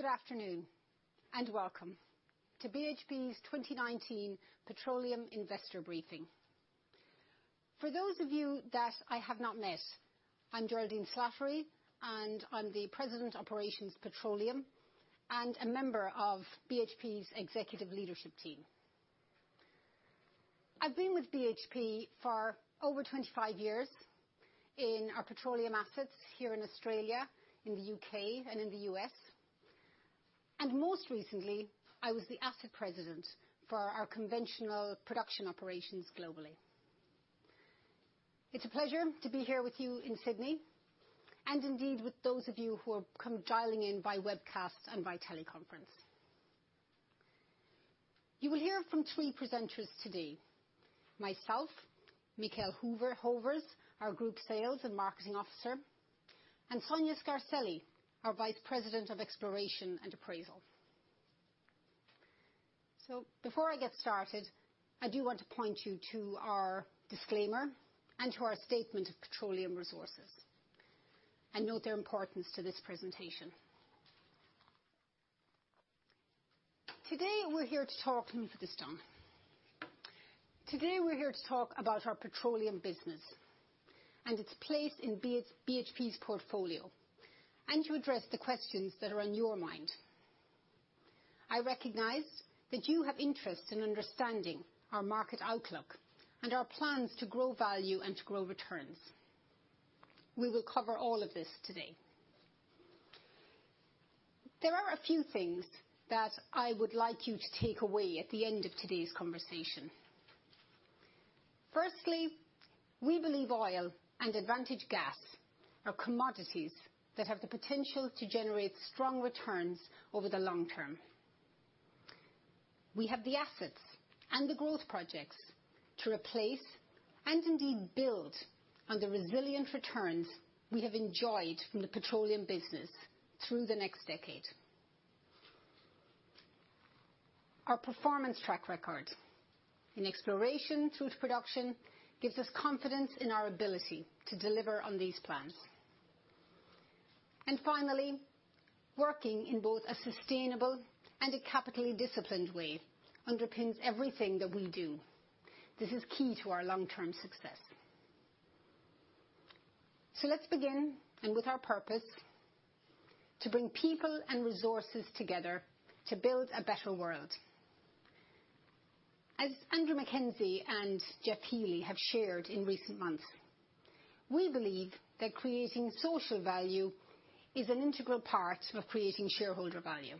Good afternoon, welcome to BHP's 2019 Petroleum Investor briefing. For those of you that I have not met, I'm Geraldine Slattery, and I'm the President, Operations Petroleum, and a member of BHP's Executive Leadership Team. I've been with BHP for over 25 years in our petroleum assets here in Australia, in the U.K., and in the U.S., and most recently, I was the asset president for our conventional production operations globally. It's a pleasure to be here with you in Sydney, and indeed, with those of you who are dialing in by webcast and by teleconference. You will hear from three presenters today. Myself, Michiel Hovers, our group sales and marketing officer, and Sonia Scarselli, our vice president of exploration and appraisal. Before I get started, I do want to point you to our disclaimer and to our statement of petroleum resources, and note their importance to this presentation. Today, we're here to talk about our petroleum business and its place in BHP's portfolio, and to address the questions that are on your mind. I recognize that you have interest in understanding our market outlook and our plans to grow value and to grow returns. We will cover all of this today. There are a few things that I would like you to take away at the end of today's conversation. Firstly, we believe oil and advantage gas are commodities that have the potential to generate strong returns over the long-term. We have the assets and the growth projects to replace and indeed build on the resilient returns we have enjoyed from the petroleum business through the next decade. Our performance track record in exploration through to production gives us confidence in our ability to deliver on these plans. Finally, working in both a sustainable and a capitally disciplined way underpins everything that we do. This is key to our long-term success. Let's begin, with our purpose, to bring people and resources together, to build a better world. As Andrew Mackenzie and Geoff Healy have shared in recent months, we believe that creating social value is an integral part of creating shareholder value.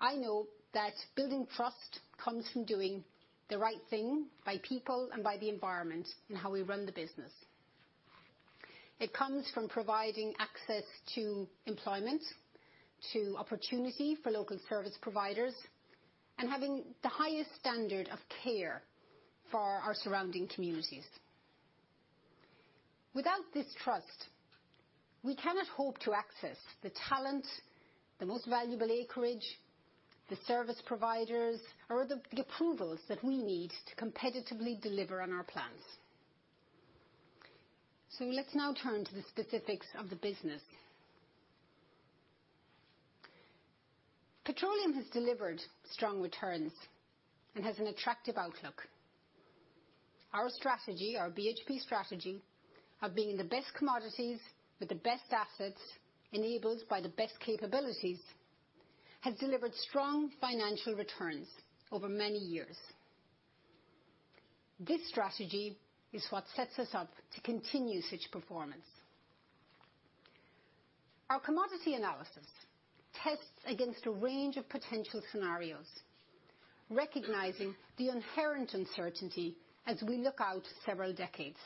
I know that building trust comes from doing the right thing by people and by the environment in how we run the business. It comes from providing access to employment, to opportunity for local service providers, and having the highest standard of care for our surrounding communities. Without this trust, we cannot hope to access the talent, the most valuable acreage, the service providers, or the approvals that we need to competitively deliver on our plans. Let's now turn to the specifics of the business. Petroleum has delivered strong returns and has an attractive outlook. Our strategy, our BHP strategy, of being the best commodities with the best assets, enabled by the best capabilities, has delivered strong financial returns over many years. This strategy is what sets us up to continue such performance. Our commodity analysis tests against a range of potential scenarios, recognizing the inherent uncertainty as we look out several decades.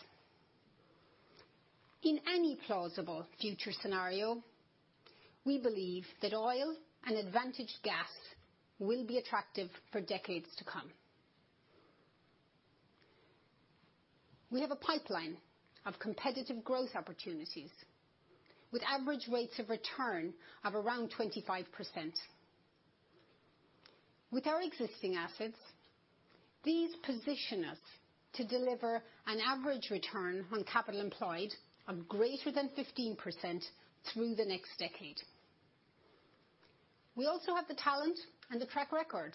In any plausible future scenario, we believe that oil and advantaged gas will be attractive for decades to come. We have a pipeline of competitive growth opportunities with average rates of return of around 25%. With our existing assets, these position us to deliver an average return on capital employed of greater than 15% through the next decade. We also have the talent and the track record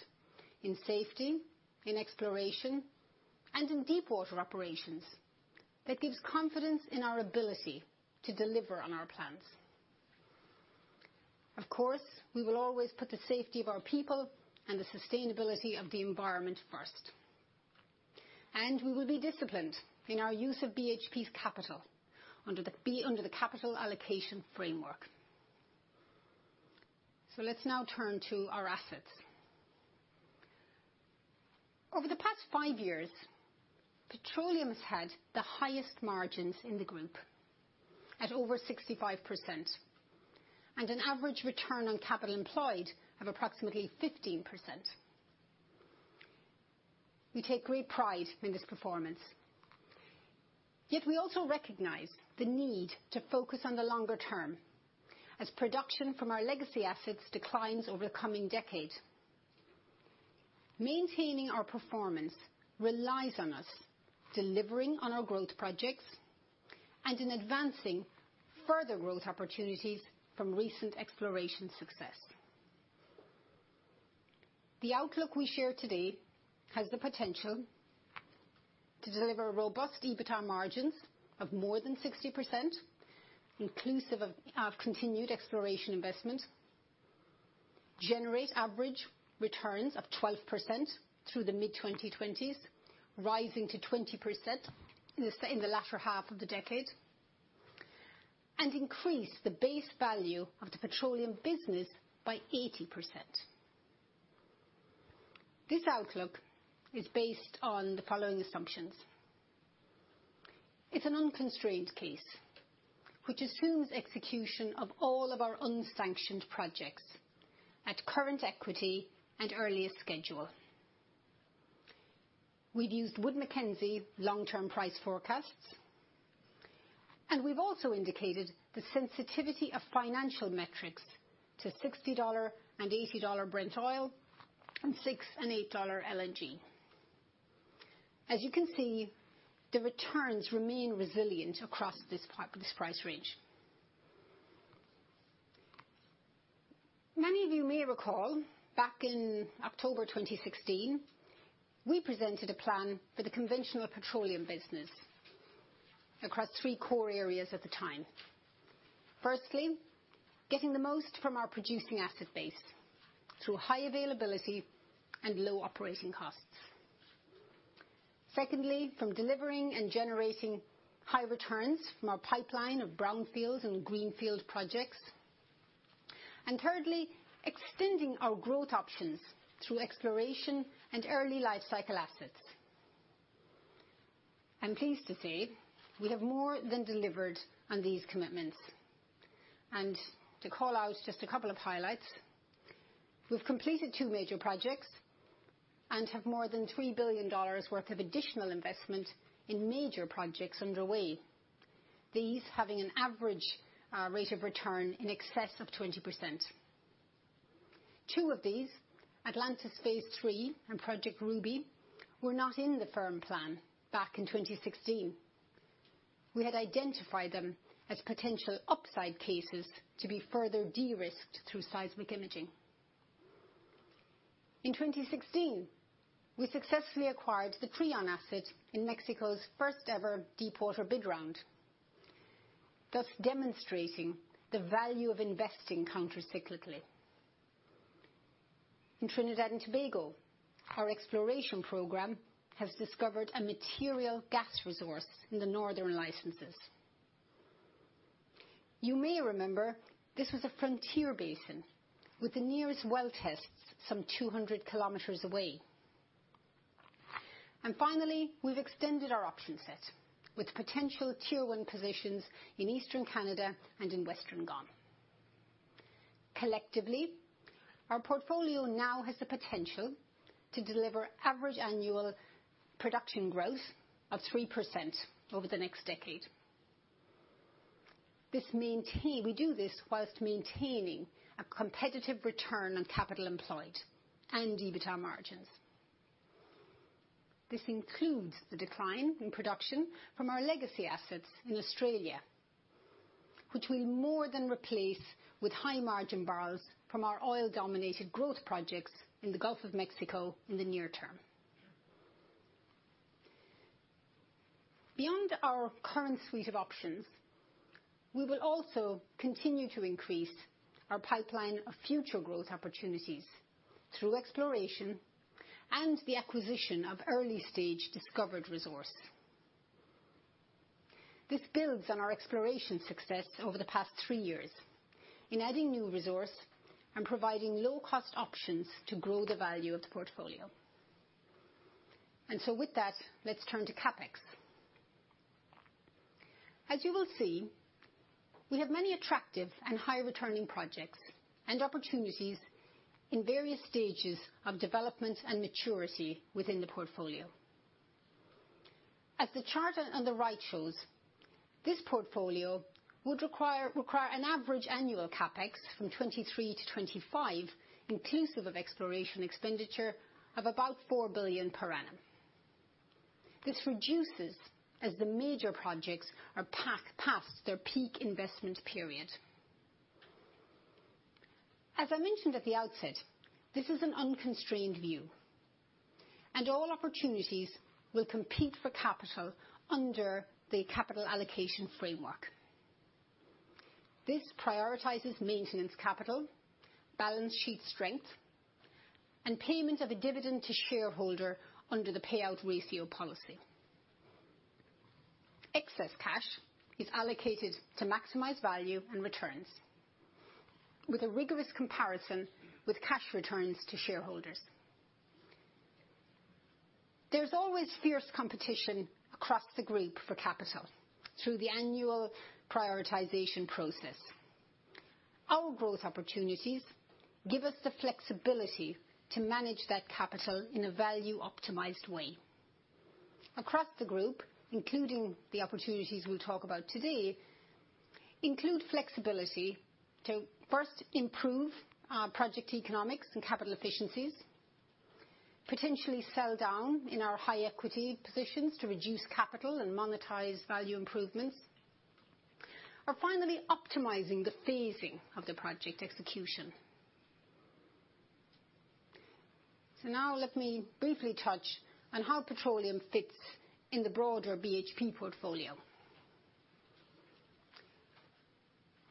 in safety, in exploration, and in deep water operations that gives confidence in our ability to deliver on our plans. Of course, we will always put the safety of our people and the sustainability of the environment first. We will be disciplined in our use of BHP's capital under the capital allocation framework. Let's now turn to our assets. Over the past five years, petroleum has had the highest margins in the group at over 65%, and an average return on capital employed of approximately 15%. We take great pride in this performance. Yet we also recognize the need to focus on the longer-term as production from our legacy assets declines over the coming decade. Maintaining our performance relies on us delivering on our growth projects and in advancing further growth opportunities from recent exploration success. The outlook we share today has the potential to deliver robust EBITDA margins of more than 60%, inclusive of our continued exploration investment, generate average returns of 12% through the mid-2020s, rising to 20% in the latter half of the decade, and increase the base value of the petroleum business by 80%. This outlook is based on the following assumptions. It's an unconstrained case, which assumes execution of all of our unsanctioned projects at current equity and earliest schedule. We've used Wood Mackenzie long-term price forecasts, and we've also indicated the sensitivity of financial metrics to $60 and $80 Brent oil and $6 and $8 LNG. As you can see, the returns remain resilient across this price range. Many of you may recall, back in October 2016, we presented a plan for the conventional petroleum business across three core areas at the time. Firstly, getting the most from our producing asset base through high availability and low operating costs. Secondly, from delivering and generating high returns from our pipeline of brownfields and greenfield projects. Thirdly, extending our growth options through exploration and early lifecycle assets. I'm pleased to say we have more than delivered on these commitments. To call out just a couple of highlights, we've completed two major projects and have more than $3 billion worth of additional investment in major projects underway, these having an average rate of return in excess of 20%. Two of these, Atlantis Phase three and Project Ruby, were not in the firm plan back in 2016. We had identified them as potential upside cases to be further de-risked through seismic imaging. In 2016, we successfully acquired the Trion asset in Mexico's first ever deepwater bid round, thus demonstrating the value of investing counter-cyclically. In Trinidad and Tobago, our exploration program has discovered a material gas resource in the northern licenses. You may remember this was a frontier basin with the nearest well tests some 200 km away. Finally, we've extended our option set with potential Tier 1 positions in eastern Canada and in western Ghana. Collectively, our portfolio now has the potential to deliver average annual production growth of 3% over the next decade. We do this while maintaining a competitive return on capital employed and EBITDA margins. This includes the decline in production from our legacy assets in Australia, which we'll more than replace with high margin barrels from our oil-dominated growth projects in the Gulf of Mexico in the near-term. Beyond our current suite of options, we will also continue to increase our pipeline of future growth opportunities through exploration and the acquisition of early-stage discovered resource. This builds on our exploration success over the past three years in adding new resource and providing low-cost options to grow the value of the portfolio. With that, let's turn to CapEx. As you will see, we have many attractive and high-returning projects and opportunities in various stages of development and maturity within the portfolio. As the chart on the right shows, this portfolio would require an average annual CapEx from 2023-2025, inclusive of exploration expenditure, of about $4 billion per annum. This reduces as the major projects are past their peak investment period. As I mentioned at the outset, this is an unconstrained view. All opportunities will compete for capital under the capital allocation framework. This prioritizes maintenance capital, balance sheet strength, and payment of a dividend to shareholder under the payout ratio policy. Excess cash is allocated to maximize value and returns with a rigorous comparison with cash returns to shareholders. There's always fierce competition across the group for capital through the annual prioritization process. Our growth opportunities give us the flexibility to manage that capital in a value-optimized way. Across the group, including the opportunities we'll talk about today, include flexibility to, first, improve our project economics and capital efficiencies, potentially sell down in our high equity positions to reduce capital and monetize value improvements. Finally, optimizing the phasing of the project execution. Now let me briefly touch on how petroleum fits in the broader BHP portfolio.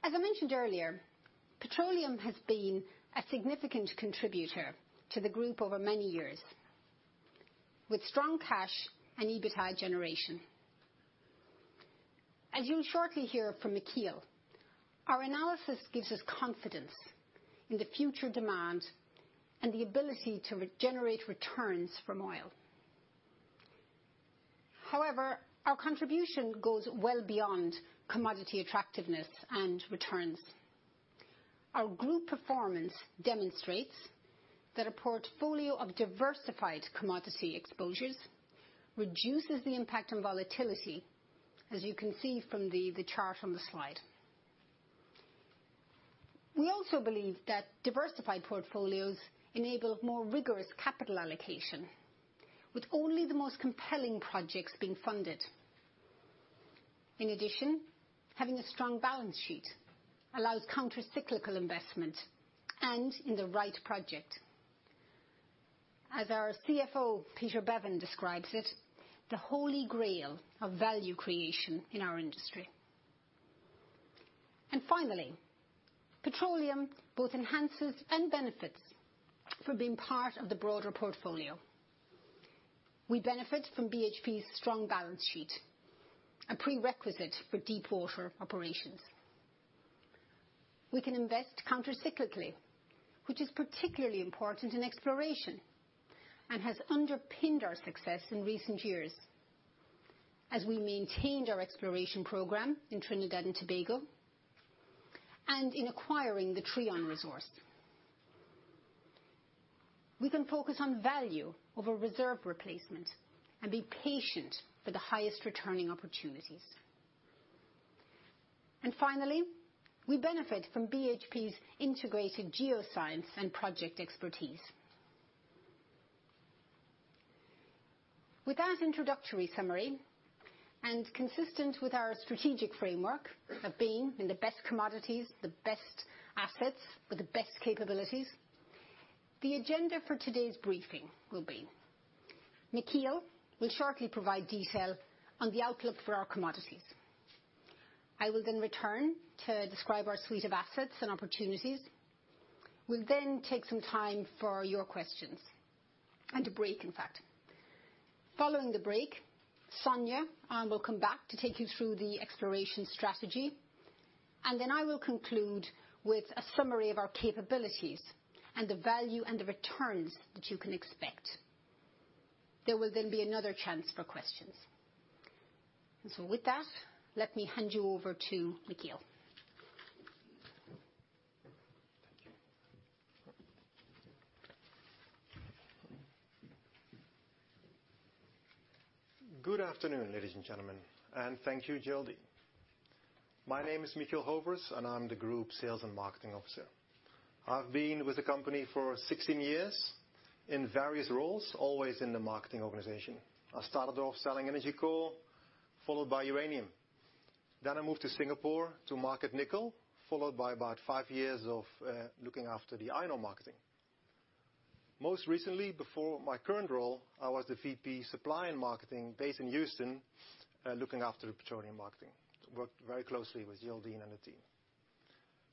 As I mentioned earlier, petroleum has been a significant contributor to the group over many years, with strong cash and EBITDA generation. As you'll shortly hear from Michiel, our analysis gives us confidence in the future demand and the ability to generate returns from oil. However, our contribution goes well beyond commodity attractiveness and returns. Our group performance demonstrates that a portfolio of diversified commodity exposures reduces the impact on volatility, as you can see from the chart on the slide. We also believe that diversified portfolios enable more rigorous capital allocation, with only the most compelling projects being funded. In addition, having a strong balance sheet allows counter-cyclical investment and in the right project. As our CFO, Peter Beaven, describes it, the Holy Grail of value creation in our industry. Finally, petroleum both enhances and benefits from being part of the broader portfolio. We benefit from BHP's strong balance sheet, a prerequisite for deep water operations. We can invest counter-cyclically, which is particularly important in exploration and has underpinned our success in recent years as we maintained our exploration program in Trinidad and Tobago, and in acquiring the Trion resource. We can focus on value over reserve replacement and be patient for the highest returning opportunities. Finally, we benefit from BHP's integrated geoscience and project expertise. With that introductory summary, consistent with our strategic framework of being in the best commodities, the best assets, with the best capabilities, the agenda for today's briefing will be Michiel will shortly provide detail on the outlook for our commodities. I will return to describe our suite of assets and opportunities. We'll take some time for your questions, and a break, in fact. Following the break, Sonia will come back to take you through the exploration strategy, I will conclude with a summary of our capabilities and the value and the returns that you can expect. There will be another chance for questions. With that, let me hand you over to Michiel. Thank you. Good afternoon, ladies and gentlemen, and thank you, Geraldine. My name is Michiel Hovers. I'm the Group Sales and Marketing Officer. I've been with the company for 16 years in various roles, always in the marketing organization. I started off selling energy coal, followed by uranium. I moved to Singapore to market nickel, followed by about five years of looking after the iron ore marketing. Most recently, before my current role, I was the VP, Supply and Marketing, based in Houston, looking after petroleum marketing. Worked very closely with Geraldine and the team.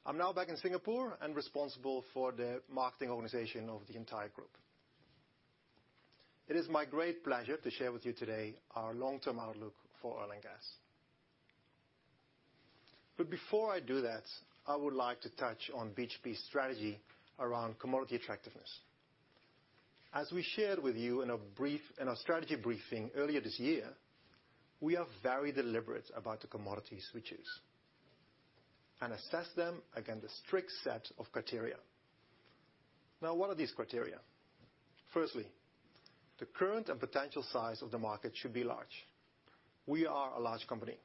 I'm now back in Singapore and responsible for the marketing organization of the entire group. It is my great pleasure to share with you today our long-term outlook for oil and gas. Before I do that, I would like to touch on BHP's strategy around commodity attractiveness. As we shared with you in our strategy briefing earlier this year, we are very deliberate about the commodities we choose and assess them against a strict set of criteria. What are these criteria? Firstly, the current and potential size of the market should be large. We are a large company.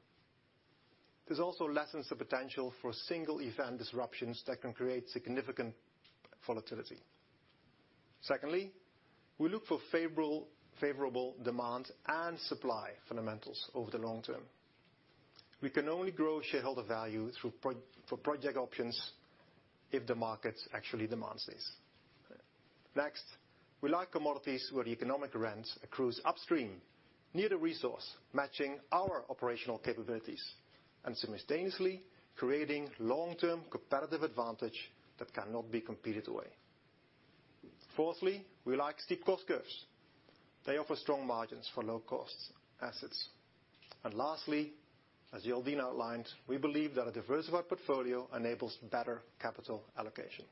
This also lessens the potential for single event disruptions that can create significant volatility. Secondly, we look for favorable demand and supply fundamentals over the long-term. We can only grow shareholder value for project options if the market actually demands this. We like commodities where the economic rent accrues upstream, near the resource, matching our operational capabilities and simultaneously creating long-term competitive advantage that cannot be competed away. Fourthly, we like steep cost curves. They offer strong margins for low costs assets. Lastly, as Geraldine outlined, we believe that a diversified portfolio enables better capital allocation.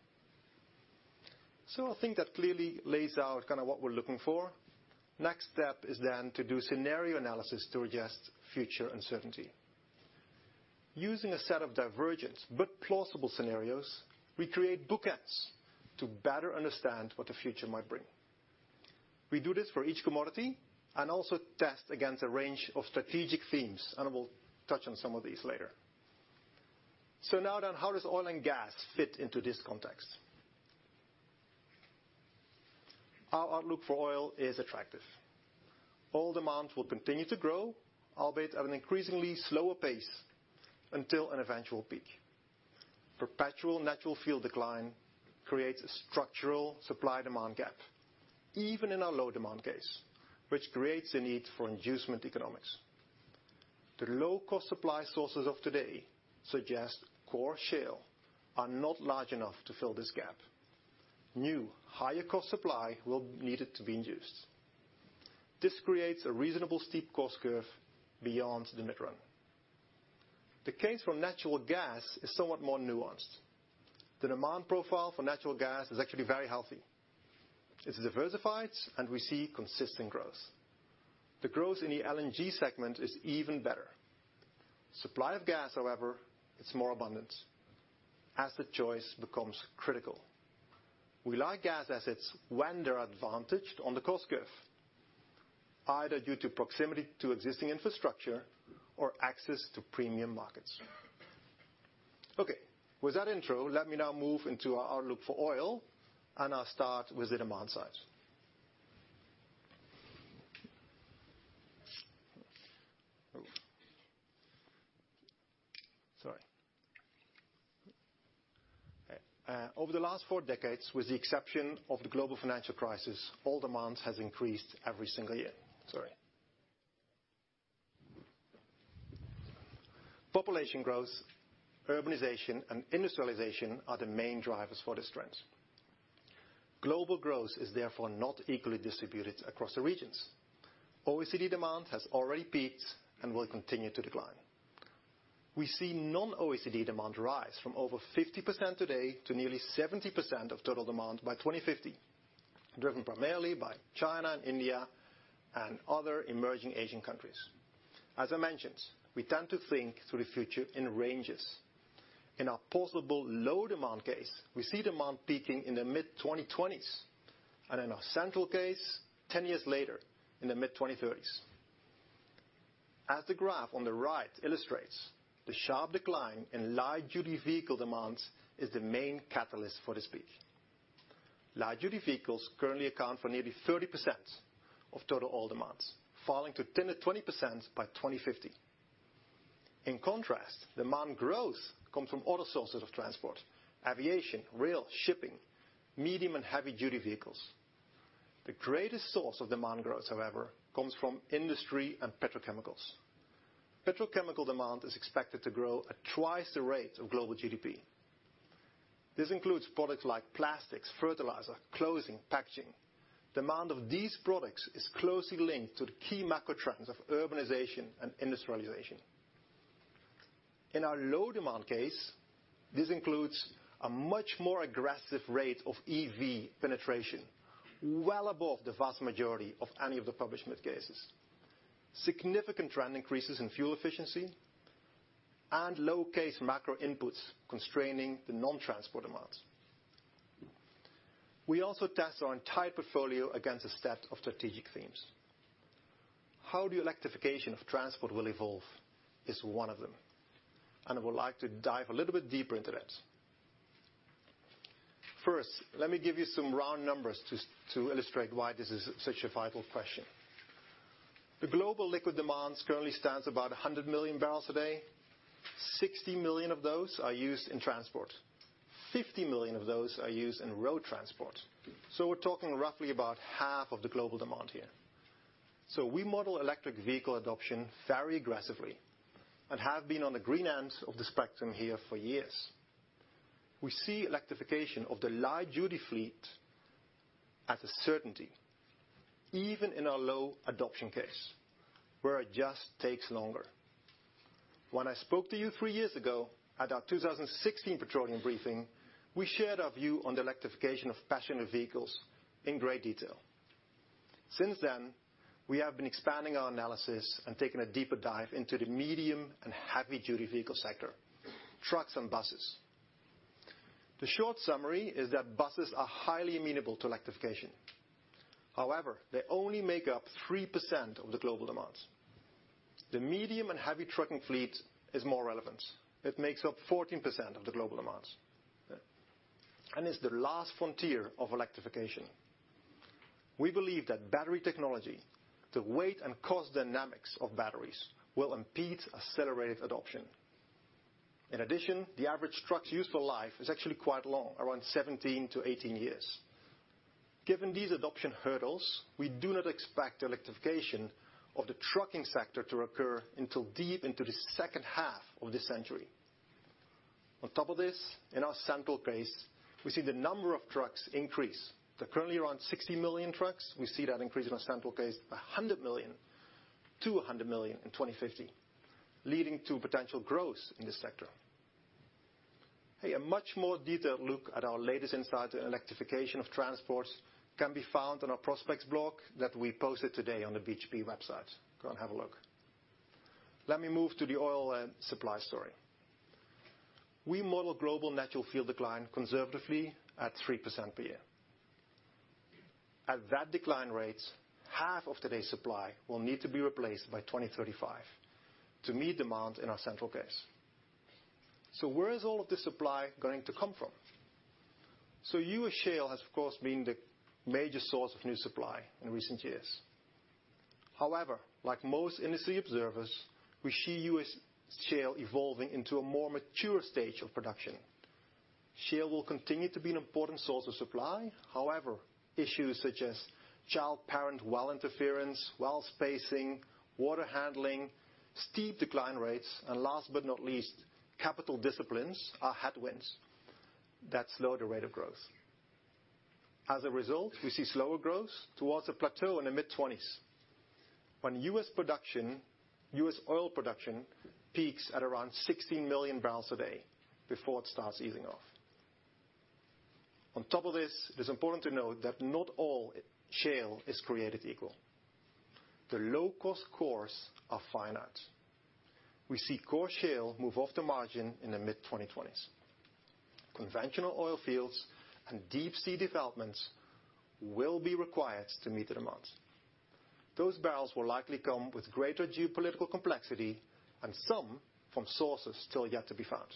I think that clearly lays out what we're looking for. Next step is then to do scenario analysis to adjust future uncertainty. Using a set of divergent but plausible scenarios, we create bookends to better understand what the future might bring. We do this for each commodity and also test against a range of strategic themes. We'll touch on some of these later. Now, how does oil and gas fit into this context? Our outlook for oil is attractive. Oil demand will continue to grow, albeit at an increasingly slower pace, until an eventual peak. Perpetual natural field decline creates a structural supply-demand gap, even in our low demand case, which creates a need for inducement economics. The low cost supply sources of today suggest core shale are not large enough to fill this gap. New higher cost supply will be needed to be induced. This creates a reasonable steep cost curve beyond the mid-run. The case for natural gas is somewhat more nuanced. The demand profile for natural gas is actually very healthy. It's diversified and we see consistent growth. The growth in the LNG segment is even better. Supply of gas, however, is more abundant. Asset choice becomes critical. We like gas assets when they're advantaged on the cost curve, either due to proximity to existing infrastructure or access to premium markets. Okay. With that intro, let me now move into our outlook for oil, and I'll start with the demand side. Sorry. Over the last four decades, with the exception of the global financial crisis, oil demand has increased every single year. Sorry. Population growth, urbanization, and industrialization are the main drivers for this trend. Global growth is not equally distributed across the regions. OECD demand has already peaked and will continue to decline. We see non-OECD demand rise from over 50% today to nearly 70% of total demand by 2050, driven primarily by China and India and other emerging Asian countries. As I mentioned, we tend to think through the future in ranges. In our plausible low demand case, we see demand peaking in the mid-2020s, and in our central case, 10 years later in the mid-2030s. As the graph on the right illustrates, the sharp decline in light-duty vehicle demands is the main catalyst for this peak. Light-duty vehicles currently account for nearly 30% of total oil demands, falling to 10%-20% by 2050. In contrast, demand growth comes from other sources of transport, aviation, rail, shipping, medium and heavy-duty vehicles. The greatest source of demand growth, however, comes from industry and petrochemicals. Petrochemical demand is expected to grow at 2x the rate of global GDP. This includes products like plastics, fertilizer, clothing, packaging. Demand of these products is closely linked to the key macro trends of urbanization and industrialization. In our low demand case, this includes a much more aggressive rate of EV penetration, well above the vast majority of any of the published mid cases, significant trend increases in fuel efficiency, and low case macro inputs constraining the non-transport demands. We also test our entire portfolio against a set of strategic themes. How the electrification of transport will evolve is one of them, and I would like to dive a little bit deeper into that. First, let me give you some round numbers to illustrate why this is such a vital question. The global liquid demands currently stands about 100 million barrels a day. 60 million of those are used in transport. 50 million of those are used in road transport. We're talking roughly about half of the global demand here. We model electric vehicle adoption very aggressively and have been on the green end of the spectrum here for years. We see electrification of the light-duty fleet as a certainty, even in our low adoption case, where it just takes longer. When I spoke to you three years ago at our 2016 petroleum briefing, we shared our view on the electrification of passenger vehicles in great detail. Since then, we have been expanding our analysis and taking a deeper dive into the medium and heavy-duty vehicle sector, trucks and buses. The short summary is that buses are highly amenable to electrification. However, they only make up 3% of the global demand. The medium and heavy trucking fleet is more relevant. It makes up 14% of the global demand, and is the last frontier of electrification. We believe that battery technology, the weight and cost dynamics of batteries, will impede accelerated adoption. In addition, the average truck's useful life is actually quite long, around 17-18 years. Given these adoption hurdles, we do not expect electrification of the trucking sector to occur until deep into the second half of this century. On top of this, in our central case, we see the number of trucks increase. There are currently around 60 million trucks. We see that increase in our central case, 100 million-100 million in 2050. Leading to potential growth in this sector. A much more detailed look at our latest insight and electrification of transports can be found on our prospects blog that we posted today on the BHP website. Go and have a look. Let me move to the oil and supply story. We model global natural field decline conservatively at 3% per year. At that decline rates, half of today's supply will need to be replaced by 2035 to meet demand in our central case. Where is all of this supply going to come from? U.S. shale has, of course, been the major source of new supply in recent years. However, like most industry observers, we see U.S. shale evolving into a more mature stage of production. Shale will continue to be an important source of supply. However, issues such as parent-child well interference, well spacing, water handling, steep decline rates, and last but not least, capital disciplines are headwinds that slow the rate of growth. As a result, we see slower growth towards a plateau in the mid-2020s when U.S. oil production peaks at around 16 million barrels a day before it starts easing off. On top of this, it is important to note that not all shale is created equal. The low-cost cores are finite. We see core shale move off the margin in the mid-2020s. Conventional oil fields and deep-sea developments will be required to meet the demands. Those barrels will likely come with greater geopolitical complexity and some from sources still yet to be found.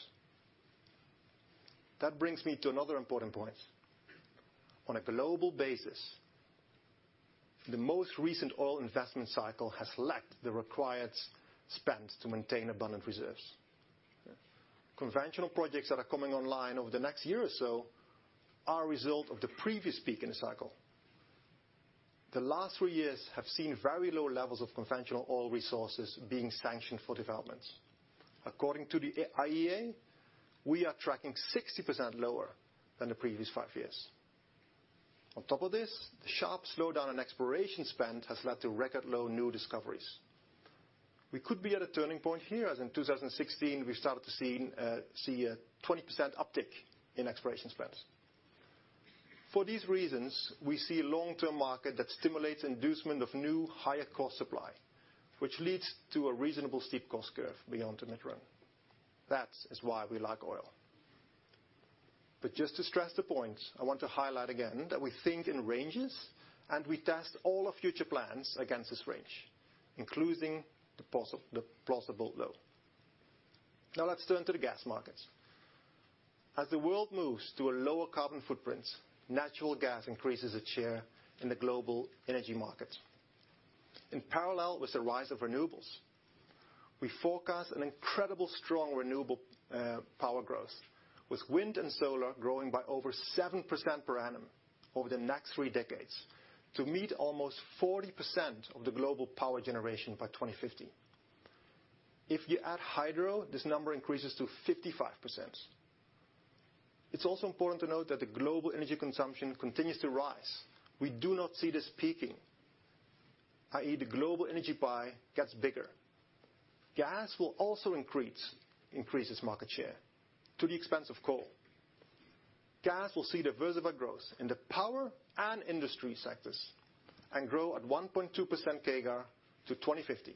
That brings me to another important point. On a global basis, the most recent oil investment cycle has lacked the required spend to maintain abundant reserves. Conventional projects that are coming online over the next year or so are a result of the previous peak in the cycle. The last three years have seen very low levels of conventional oil resources being sanctioned for developments. According to the IEA, we are tracking 60% lower than the previous five years. On top of this, the sharp slowdown in exploration spend has led to record low new discoveries. We could be at a turning point here, as in 2016, we started to see a 20% uptick in exploration spends. For these reasons, we see a long-term market that stimulates inducement of new higher cost supply, which leads to a reasonable steep cost curve beyond the mid-run. That is why we like oil. Just to stress the point, I want to highlight again that we think in ranges and we test all our future plans against this range, including the plausible low. Let's turn to the gas markets. As the world moves to a lower carbon footprint, natural gas increases its share in the global energy market. In parallel with the rise of renewables, we forecast an incredibly strong renewable power growth, with wind and solar growing by over 7% per annum over the next three decades to meet almost 40% of the global power generation by 2050. If you add hydro, this number increases to 55%. It's also important to note that the global energy consumption continues to rise. We do not see this peaking, i.e., the global energy pie gets bigger. Gas will also increase its market share to the expense of coal. Gas will see diversifiable growth in the power and industry sectors and grow at 1.2% CAGR to 2050.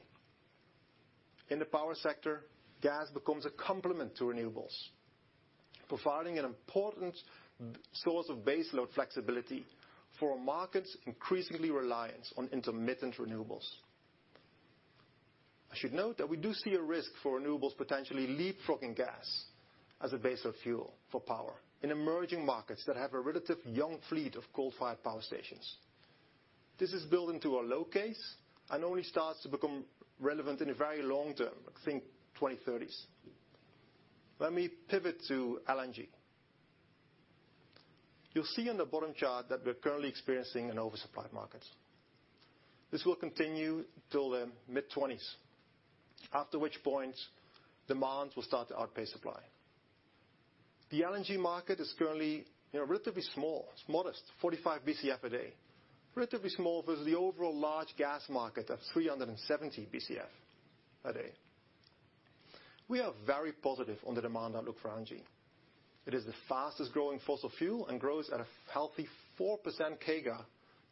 In the power sector, gas becomes a complement to renewables, providing an important source of base load flexibility for a market increasingly reliant on intermittent renewables. I should note that we do see a risk for renewables potentially leapfrogging gas as a base load fuel for power in emerging markets that have a relative young fleet of coal-fired power stations. This is built into our low case and only starts to become relevant in the very long-term. Think 2030s. Let me pivot to LNG. You'll see in the bottom chart that we're currently experiencing an oversupply market. This will continue till the mid-2020s, after which point demand will start to outpace supply. The LNG market is currently relatively small. It's modest, 45 BCF a day, relatively small versus the overall large gas market of 370 BCF a day. We are very positive on the demand outlook for LNG. It is the fastest growing fossil fuel and grows at a healthy 4% CAGR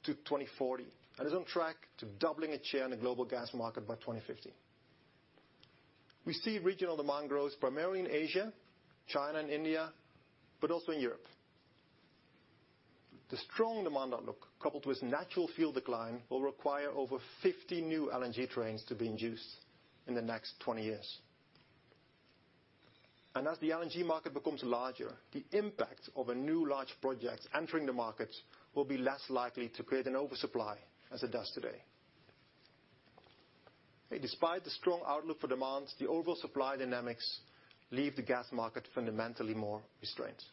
to 2040 and is on track to doubling its share in the global gas market by 2050. We see regional demand growth primarily in Asia, China and India, but also in Europe. The strong demand outlook, coupled with natural field decline, will require over 50 new LNG trains to be induced in the next 20 years. As the LNG market becomes larger, the impact of a new large project entering the market will be less likely to create an oversupply as it does today. Despite the strong outlook for demand, the overall supply dynamics leave the gas market fundamentally more restrained.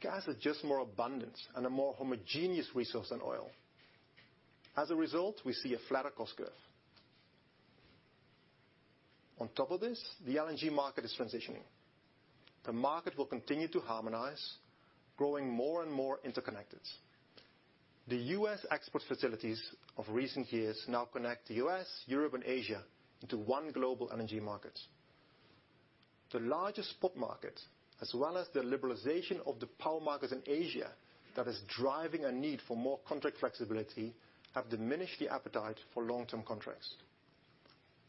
Gas is just more abundant and a more homogeneous resource than oil. As a result, we see a flatter cost curve. On top of this, the LNG market is transitioning. The market will continue to harmonize, growing more and more interconnected. The U.S. export facilities of recent years now connect the U.S., Europe, and Asia into one global energy market. The largest spot market, as well as the liberalization of the power market in Asia that is driving a need for more contract flexibility, have diminished the appetite for long-term contracts.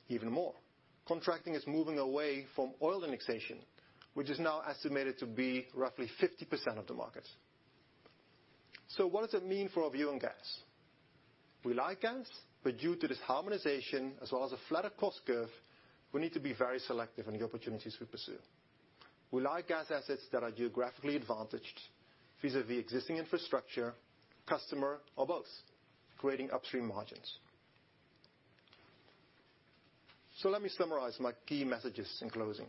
Even more, contracting is moving away from oil indexation, which is now estimated to be roughly 50% of the market. What does it mean for our view on gas? We like gas, but due to this harmonization, as well as a flatter cost curve, we need to be very selective in the opportunities we pursue. We like gas assets that are geographically advantaged vis-à-vis existing infrastructure, customer, or both, creating upstream margins. Let me summarize my key messages in closing.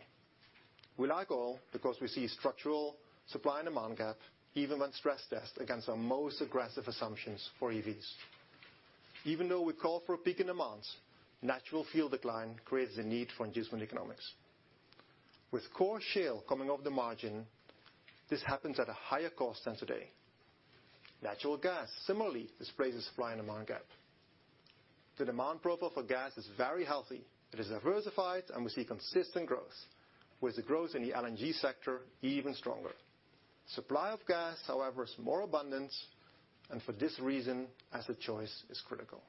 We like oil because we see a structural supply and demand gap, even when stress-tested against our most aggressive assumptions for EVs. Even though we call for a peak in demand, natural field decline creates the need for induced economics. With core shale coming off the margin, this happens at a higher cost than today. Natural gas similarly displays a supply and demand gap. The demand profile for gas is very healthy. It is diversified, and we see consistent growth, with the growth in the LNG sector even stronger. Supply of gas, however, is more abundant, and for this reason, asset choice is critical.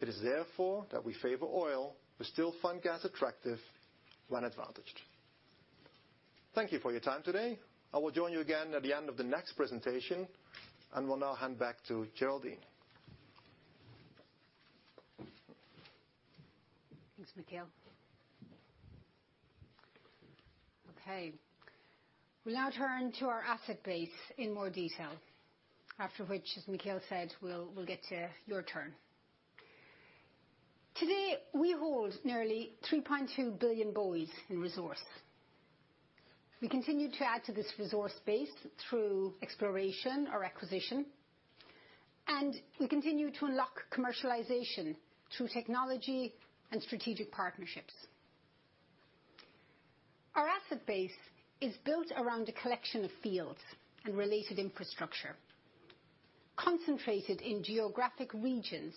It is therefore that we favor oil. We still find gas attractive when advantaged. Thank you for your time today. I will join you again at the end of the next presentation, and will now hand back to Geraldine. Thanks, Michiel. Okay. We'll now turn to our asset base in more detail. After which, as Michiel said, we'll get to your turn. Today, we hold nearly 3.2 billion BOEs in resource. We continue to add to this resource base through exploration or acquisition, and we continue to unlock commercialization through technology and strategic partnerships. Our asset base is built around a collection of fields and related infrastructure, concentrated in geographic regions,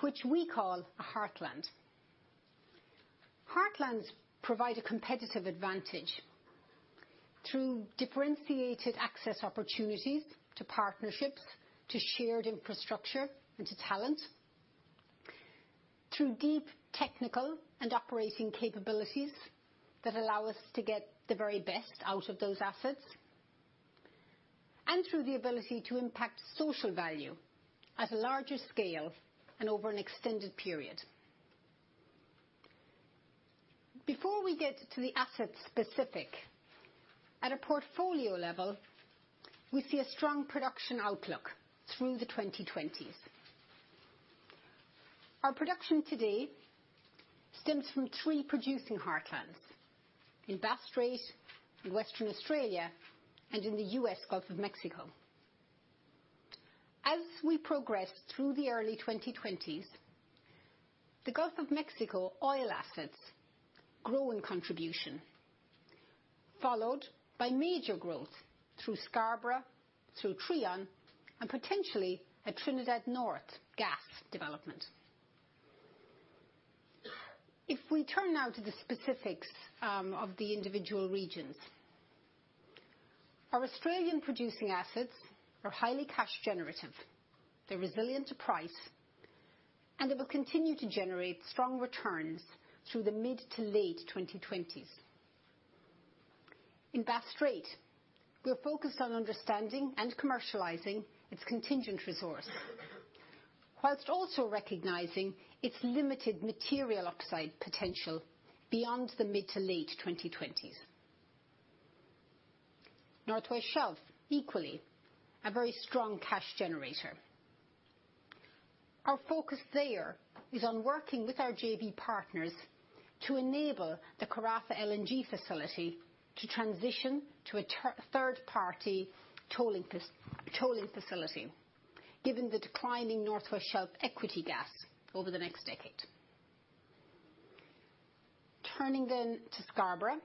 which we call a heartland. Heartlands provide a competitive advantage through differentiated access opportunities to partnerships, to shared infrastructure, and to talent, through deep technical and operating capabilities that allow us to get the very best out of those assets, and through the ability to impact social value at a larger scale and over an extended period. Before we get to the asset specific, at a portfolio level, we see a strong production outlook through the 2020s. Our production today stems from three producing heartlands in Bass Strait, in Western Australia, and in the U.S. Gulf of Mexico. As we progress through the early 2020s, the Gulf of Mexico oil assets grow in contribution, followed by major growth through Scarborough, through Trion, and potentially a Trinidad North gas development. If we turn now to the specifics of the individual regions, our Australian producing assets are highly cash generative. They're resilient to price, and they will continue to generate strong returns through the mid to late 2020s. In Bass Strait, we are focused on understanding and commercializing its contingent resource, whilst also recognizing its limited material upside potential beyond the mid to late 2020s. North West Shelf, equally, a very strong cash generator. Our focus there is on working with our JV partners to enable the Karratha LNG facility to transition to a third-party tolling facility, given the declining North West Shelf equity gas over the next decade. Turning to Scarborough.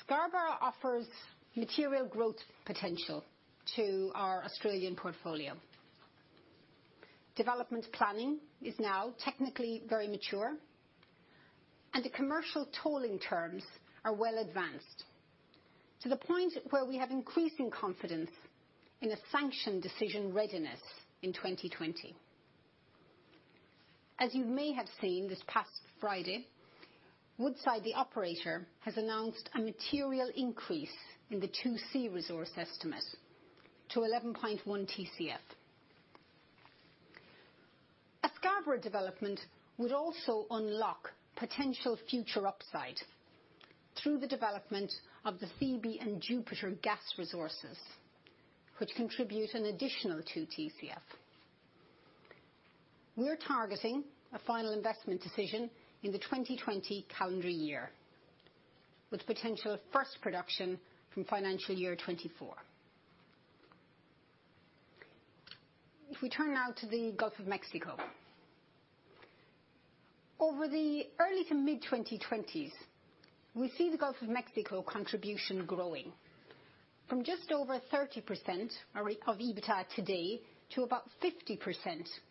Scarborough offers material growth potential to our Australian portfolio. Development planning is now technically very mature, and the commercial tolling terms are well advanced to the point where we have increasing confidence in a sanction decision readiness in 2020. As you may have seen this past Friday, Woodside, the operator, has announced a material increase in the 2C resource estimate to 11.1 TCF. A Scarborough development would also unlock potential future upside through the development of the Thebe and Jupiter gas resources, which contribute an additional 2 TCF. We're targeting a final investment decision in the 2020 calendar year, with potential first production from FY 2024. If we turn now to the Gulf of Mexico. Over the early to mid-2020s, we see the Gulf of Mexico contribution growing from just over 30% of EBITDA today to about 50%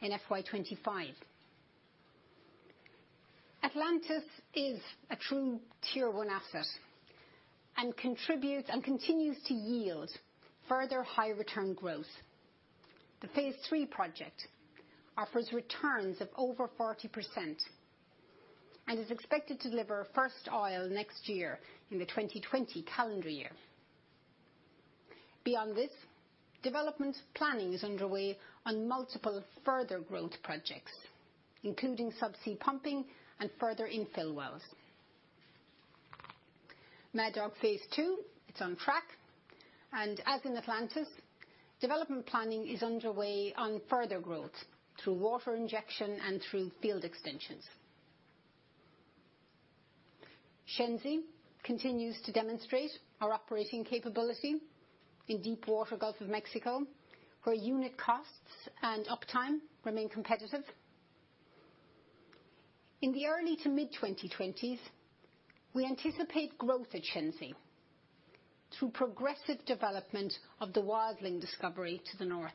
in FY 2025. Atlantis is a true Tier 1 asset and continues to yield further high return growth. The phase three project offers returns of over 40% and is expected to deliver first oil next year in the 2020 calendar year. Beyond this, development planning is underway on multiple further growth projects, including sub-sea pumping and further infill wells. Mad Dog phase two, it is on track. As in Atlantis, development planning is underway on further growth through water injection and through field extensions. Shenzi continues to demonstrate our operating capability in deep water Gulf of Mexico, where unit costs and uptime remain competitive. In the early to mid-2020s, we anticipate growth at Shenzi through progressive development of the Wildling discovery to the north.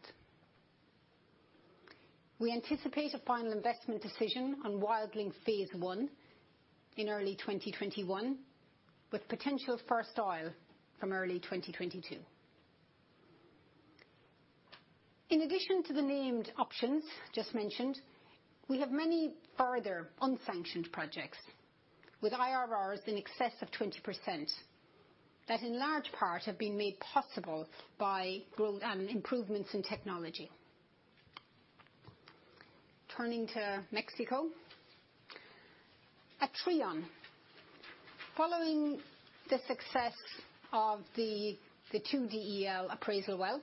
We anticipate a final investment decision on Wildling Phase one in early 2021, with potential first oil from early 2022. In addition to the named options just mentioned, we have many further unsanctioned projects with IRRs in excess of 20%, that in large part have been made possible by improvements in technology. Turning to Mexico. At Trion, following the success of the 2DEL appraisal well,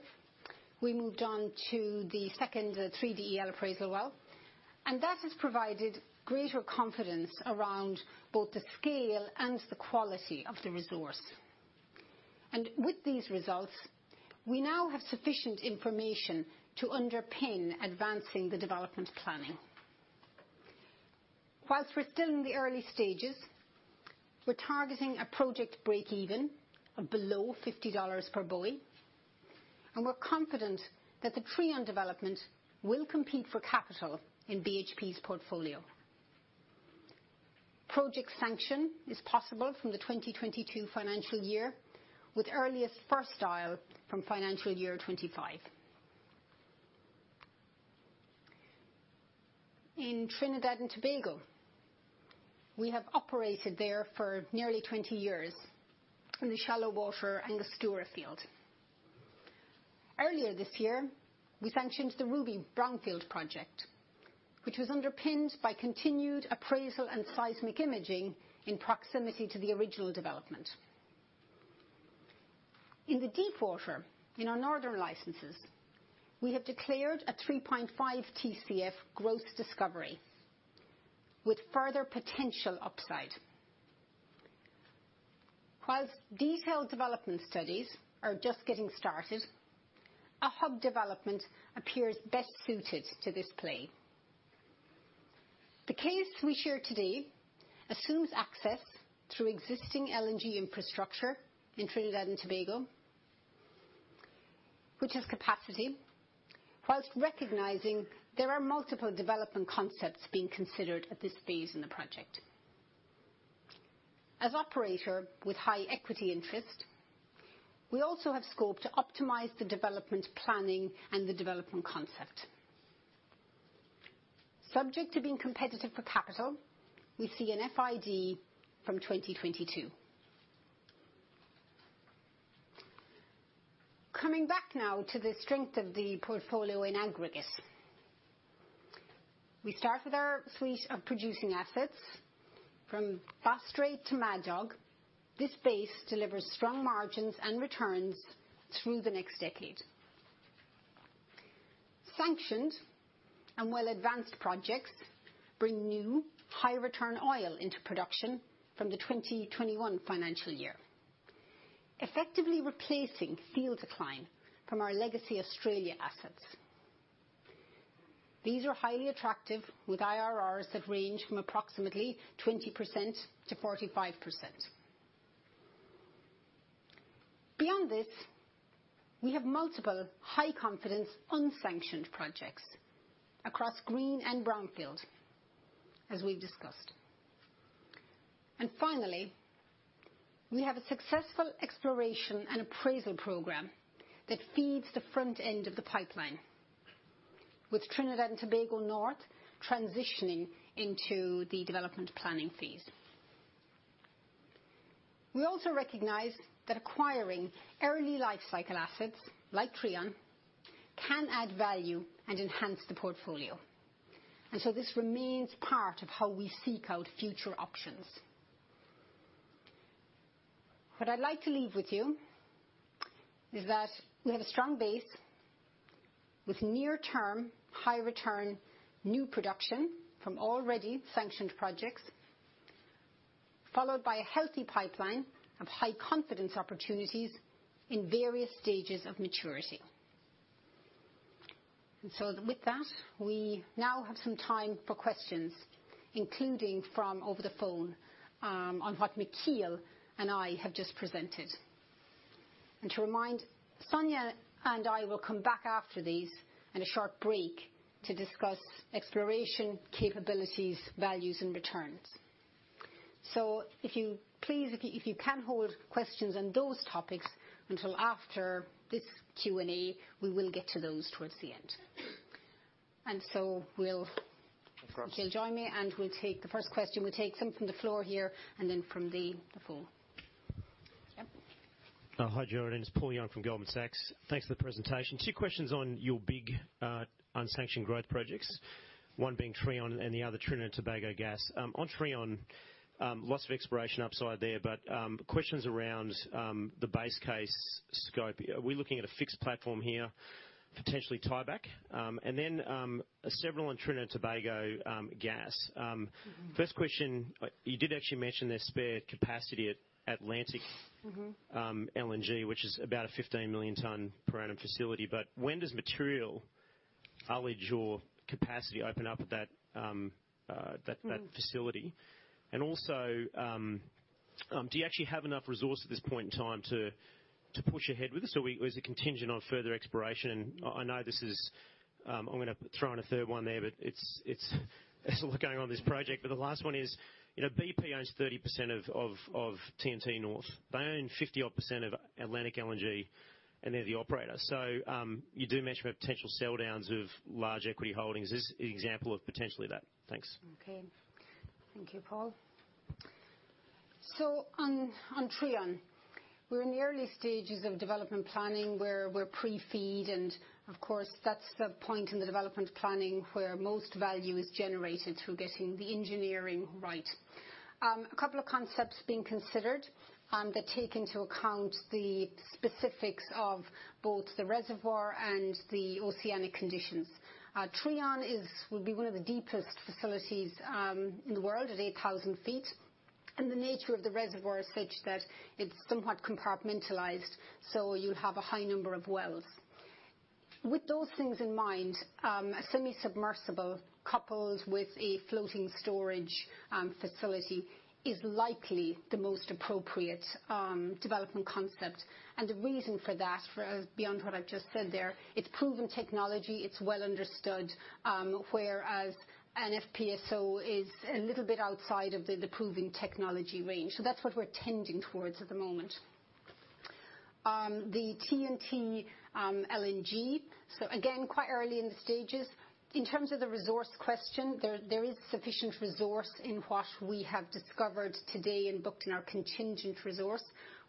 we moved on to the second 3DEL appraisal well, and that has provided greater confidence around both the scale and the quality of the resource. With these results, we now have sufficient information to underpin advancing the development planning. Whilst we're still in the early stages, we're targeting a project break-even of below $50 per BOE. We're confident that the Trion development will compete for capital in BHP's portfolio. Project sanction is possible from the 2022 financial year, with earliest first oil from financial year 2025. In Trinidad and Tobago, we have operated there for nearly 20 years in the shallow water Angostura field. Earlier this year, we sanctioned the Ruby brownfield project, which was underpinned by continued appraisal and seismic imaging in proximity to the original development. In the deepwater, in our northern licenses, we have declared a 3.5 TCF gross discovery with further potential upside. Whilst detailed development studies are just getting started, a hub development appears best suited to this play. The case we share today assumes access through existing LNG infrastructure in Trinidad and Tobago, which has capacity, whilst recognizing there are multiple development concepts being considered at this phase in the project. As operator with high equity interest, we also have scope to optimize the development planning and the development concept. Subject to being competitive for capital, we see an FID from 2022. Coming back now to the strength of the portfolio in aggregate. We start with our suite of producing assets from Bass Strait to Mad Dog. This base delivers strong margins and returns through the next decade. Sanctioned and well-advanced projects bring new high return oil into production from the 2021 financial year, effectively replacing field decline from our legacy Australia assets. These are highly attractive with IRRs that range from approximately 20%-45%. Beyond this, we have multiple high confidence, unsanctioned projects across green and brownfield, as we've discussed. Finally, we have a successful exploration and appraisal program that feeds the front end of the pipeline. With Trinidad and Tobago North transitioning into the development planning phase. We also recognize that acquiring early life cycle assets like Trion can add value and enhance the portfolio. This remains part of how we seek out future options. What I'd like to leave with you is that we have a strong base with near-term, high return, new production from already sanctioned projects, followed by a healthy pipeline of high confidence opportunities in various stages of maturity. With that, we now have some time for questions, including from over the phone, on what Michiel and I have just presented. To remind, Sonia and I will come back after these in a short break to discuss exploration capabilities, values and returns. If you can hold questions on those topics until after this Q&A, we will get to those towards the end. Of course. Michiel, join me. We'll take the first question. We'll take some from the floor here and then from the phone. Yeah. Hi, Geraldine. It's Paul Young from Goldman Sachs. Thanks for the presentation. Two questions on your big unsanctioned growth projects. One being Trion and the other Trinidad Tobago Gas. On Trion, lots of exploration upside there, questions around the base case scope. Are we looking at a fixed platform here, potentially tieback? Several on Trinidad Tobago Gas. First question. You did actually mention there's spare capacity at Atlantic LNG? LNG, which is about a 15 million ton per annum facility. When does material ullage or capacity open up at that facility? Also, do you actually have enough resource at this point in time to push ahead with this? Is it contingent on further exploration? I know I'm going to throw in a third one there, it's a lot going on in this project. The last one is, BP owns 30% of T&T North. They own 50-odd% of Atlantic LNG, they're the operator. You do mention about potential sell downs of large equity holdings. Is this an example of potentially that? Thanks. Okay. Thank you, Paul. On Trion, we're in the early stages of development planning where we're pre-FEED and, of course, that's the point in the development planning where most value is generated through getting the engineering right. A couple of concepts being considered that take into account the specifics of both the reservoir and the oceanic conditions. Trion will be one of the deepest facilities in the world at 8,000 feet, and the nature of the reservoir is such that it's somewhat compartmentalized, so you'll have a high number of wells. With those things in mind, a semi-submersible coupled with a floating storage facility is likely the most appropriate development concept. The reason for that, beyond what I've just said there, it's proven technology, it's well understood, whereas an FPSO is a little bit outside of the proven technology range. That's what we're tending towards at the moment. The T&T LNG. Again, quite early in the stages. In terms of the resource question, there is sufficient resource in what we have discovered today and booked in our contingent resource.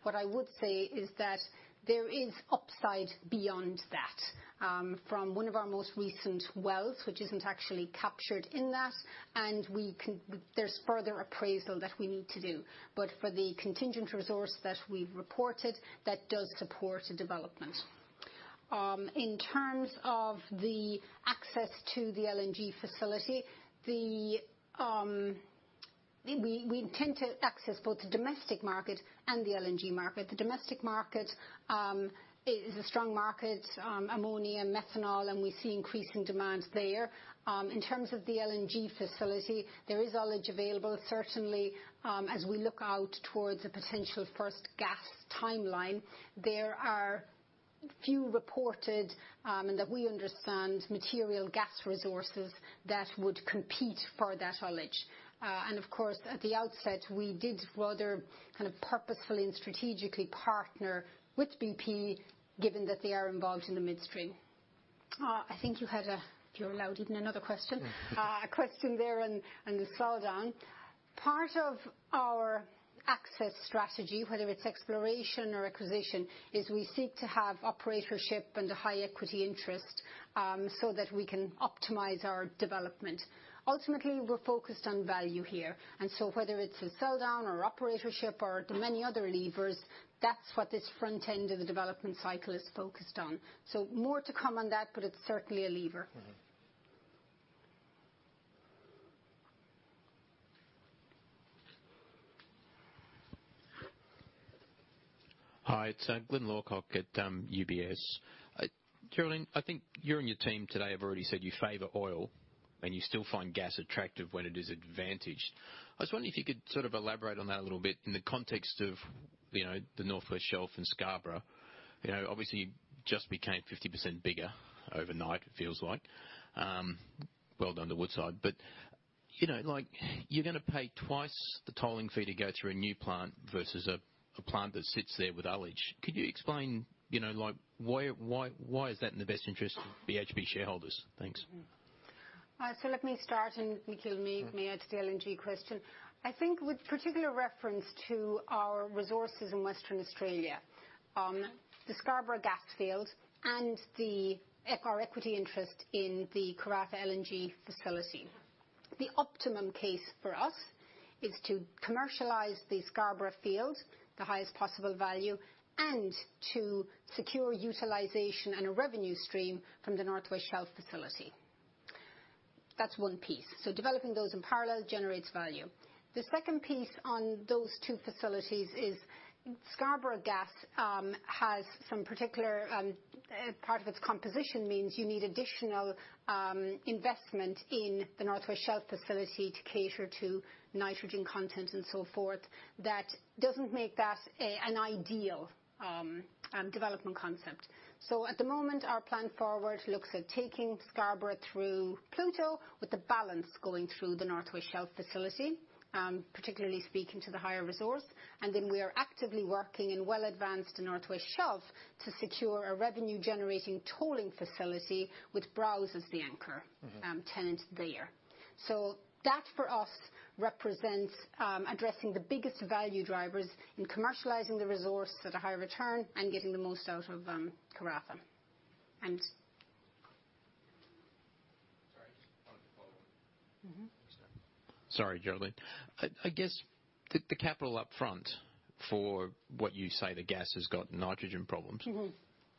What I would say is that there is upside beyond that from one of our most recent wells, which isn't actually captured in that, and there's further appraisal that we need to do. For the contingent resource that we've reported, that does support a development. In terms of the access to the LNG facility, we intend to access both the domestic market and the LNG market. The domestic market is a strong market, ammonia, methanol, and we see increasing demand there. In terms of the LNG facility, there is ullage available. Certainly, as we look out towards a potential first gas timeline, there are few reported, and that we understand, material gas resources that would compete for that ullage. Of course, at the outset, we did rather kind of purposefully and strategically partner with BP, given that they are involved in the midstream. I think you had, if you're allowed even another question. A question there on the sell down. Part of our access strategy, whether it's exploration or acquisition, is we seek to have operatorship and a high equity interest, so that we can optimize our development. Ultimately, we're focused on value here, and so whether it's a sell down or operatorship or the many other levers, that's what this front end of the development cycle is focused on. More to come on that, but it's certainly a lever. Hi, it's Glyn Lawcock at UBS. Geraldine, I think you and your team today have already said you favor oil and you still find gas attractive when it is advantaged. I was wondering if you could sort of elaborate on that a little bit in the context of the North West Shelf and Scarborough. Obviously, you just became 50% bigger overnight, it feels like. Well done to Woodside. You're going to pay 2x the tolling fee to go through a new plant versus a plant that sits there with ullage. Could you explain why is that in the best interest of BHP shareholders? Thanks. Let me start and Michiel may add to the LNG question. I think with particular reference to our resources in Western Australia, the Scarborough Gas Field and our equity interest in the Karratha LNG facility. The optimum case for us is to commercialize the Scarborough field, the highest possible value, and to secure utilization and a revenue stream from the North West Shelf facility. That's one piece. Developing those in parallel generates value. The second piece on those two facilities is Scarborough gas has some particular part of its composition means you need additional investment in the North West Shelf facility to cater to nitrogen content and so forth. That doesn't make that an ideal development concept. At the moment, our plan forward looks at taking Scarborough through Pluto, with the balance going through the North West Shelf facility, particularly speaking to the higher resource. We are actively working and well advanced in North West Shelf to secure a revenue-generating tolling facility with Browse as the anchor tenant there. That, for us, represents addressing the biggest value drivers in commercializing the resource at a higher return and getting the most out of Karratha. Sorry, just wanted to follow on. Sorry, Geraldine. I guess, the capital up front for what you say the gas has got nitrogen problems.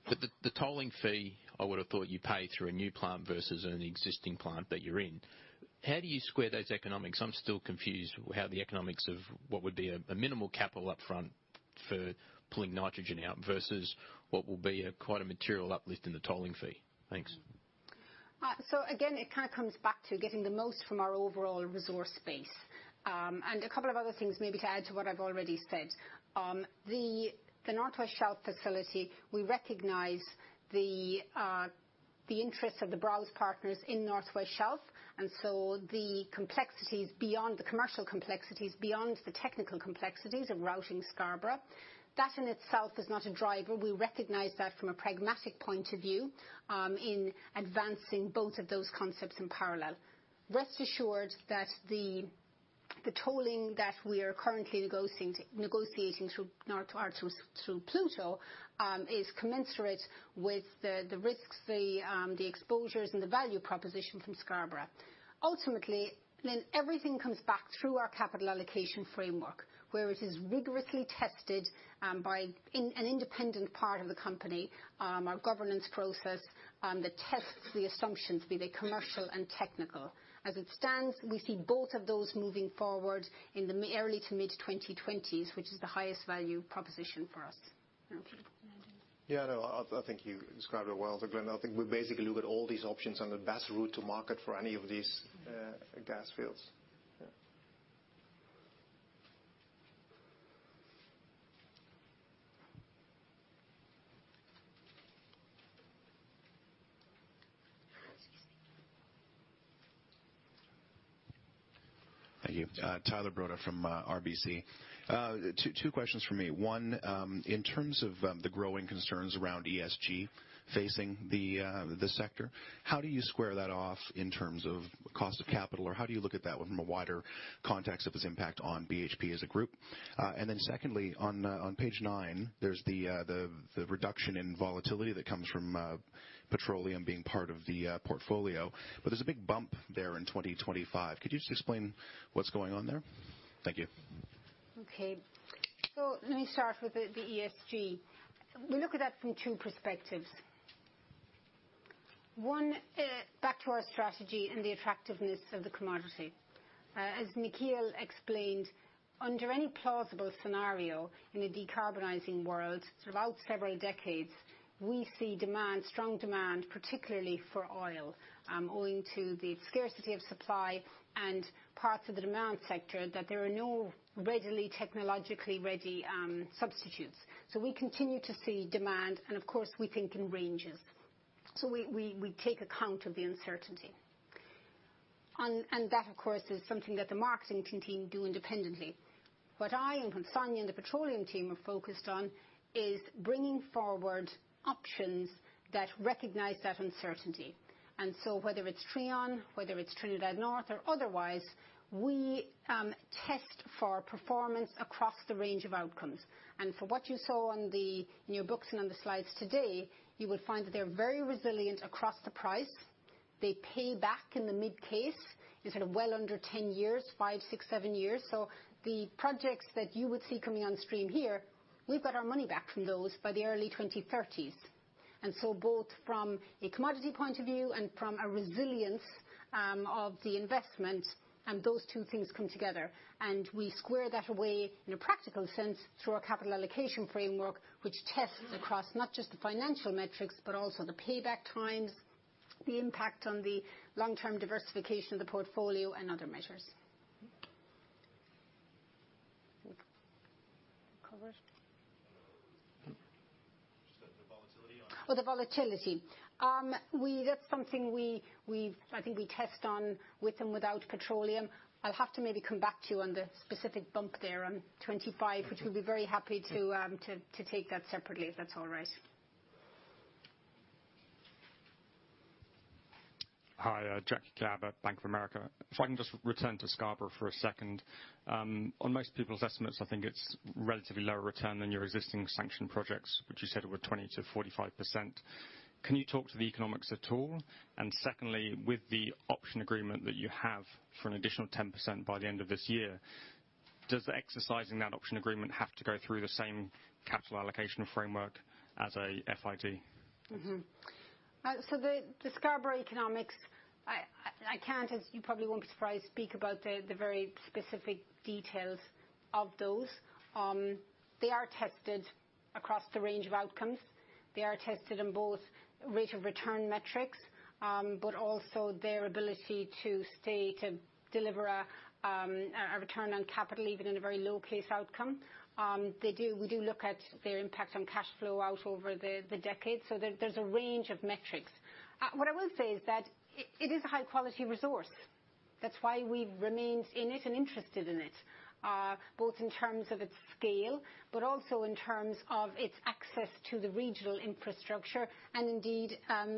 The tolling fee, I would've thought you pay through a new plant versus an existing plant that you're in. How do you square those economics? I'm still confused how the economics of what would be a minimal capital up front for pulling nitrogen out versus what will be quite a material uplift in the tolling fee. Thanks. Again, it comes back to getting the most from our overall resource base. A couple of other things maybe to add to what I've already said. The North West Shelf facility, we recognize the interests of the Browse partners in North West Shelf, the commercial complexities, beyond the technical complexities of routing Scarborough. That in itself is not a driver. We recognize that from a pragmatic point of view, in advancing both of those concepts in parallel. Rest assured that the tolling that we're currently negotiating through Pluto, is commensurate with the risks, the exposures, and the value proposition from Scarborough. Ultimately, Glyn, everything comes back through our capital allocation framework, where it is rigorously tested by an independent part of the company, our governance process, that tests the assumptions, be they commercial and technical. As it stands, we see both of those moving forward in the early to mid-2020s, which is the highest value proposition for us. Okay. Yeah, no, I think you described it well. Geraldine, I think we basically look at all these options on the best route to market for any of these gas fields. Yeah. Thank you. Tyler Broda from RBC. Two questions from me. One, in terms of the growing concerns around ESG facing the sector, how do you square that off in terms of cost of capital, or how do you look at that from a wider context of its impact on BHP as a group? Secondly, on page 9, there's the reduction in volatility that comes from petroleum being part of the portfolio. There's a big bump there in 2025. Could you just explain what's going on there? Thank you. Let me start with the ESG. We look at that from two perspectives. One, back to our strategy and the attractiveness of the commodity. As Michiel explained, under any plausible scenario in a decarbonizing world, throughout several decades, we see strong demand, particularly for oil, owing to the scarcity of supply and parts of the demand sector that there are no readily technologically ready substitutes. We continue to see demand, and of course, we think in ranges. We take account of the uncertainty. That, of course, is something that the marketing team do independently. What I and Sonia and the petroleum team are focused on is bringing forward options that recognize that uncertainty. Whether it's Trion, whether it's Trinidad North or otherwise, we test for performance across the range of outcomes. For what you saw in your books and on the slides today, you will find that they're very resilient across the price. They pay back in the mid case in well under 10 years, five, six, seven years. The projects that you would see coming on stream here, we've got our money back from those by the early 2030s. Both from a commodity point of view and from a resilience of the investment, those two things come together. We square that away in a practical sense through our capital allocation framework, which tests across not just the financial metrics, but also the payback times, the impact on the long-term diversification of the portfolio, and other measures. I think we've covered. Just about the volatility. Oh, the volatility. That's something I think we test on with and without petroleum. I'll have to maybe come back to you on the specific bump there on 2025, which we'll be very happy to take that separately, if that's all right. Hi, Jack Gabb, Bank of America. If I can just return to Scarborough for a second. On most people's estimates, I think it's relatively lower return than your existing sanctioned projects, which you said were 20%-45%. Can you talk to the economics at all? Secondly, with the option agreement that you have for an additional 10% by the end of this year? Does exercising that option agreement have to go through the same capital allocation framework as a FID? The Scarborough economics, I can't, as you probably won't be surprised, speak about the very specific details of those. They are tested across the range of outcomes. They are tested on both rate of return metrics, but also their ability to deliver a return on capital, even in a very low case outcome. We do look at their impact on cash flow out over the decades. There's a range of metrics. What I will say is that it is a high-quality resource. That's why we've remained in it and interested in it, both in terms of its scale, but also in terms of its access to the regional infrastructure. Indeed,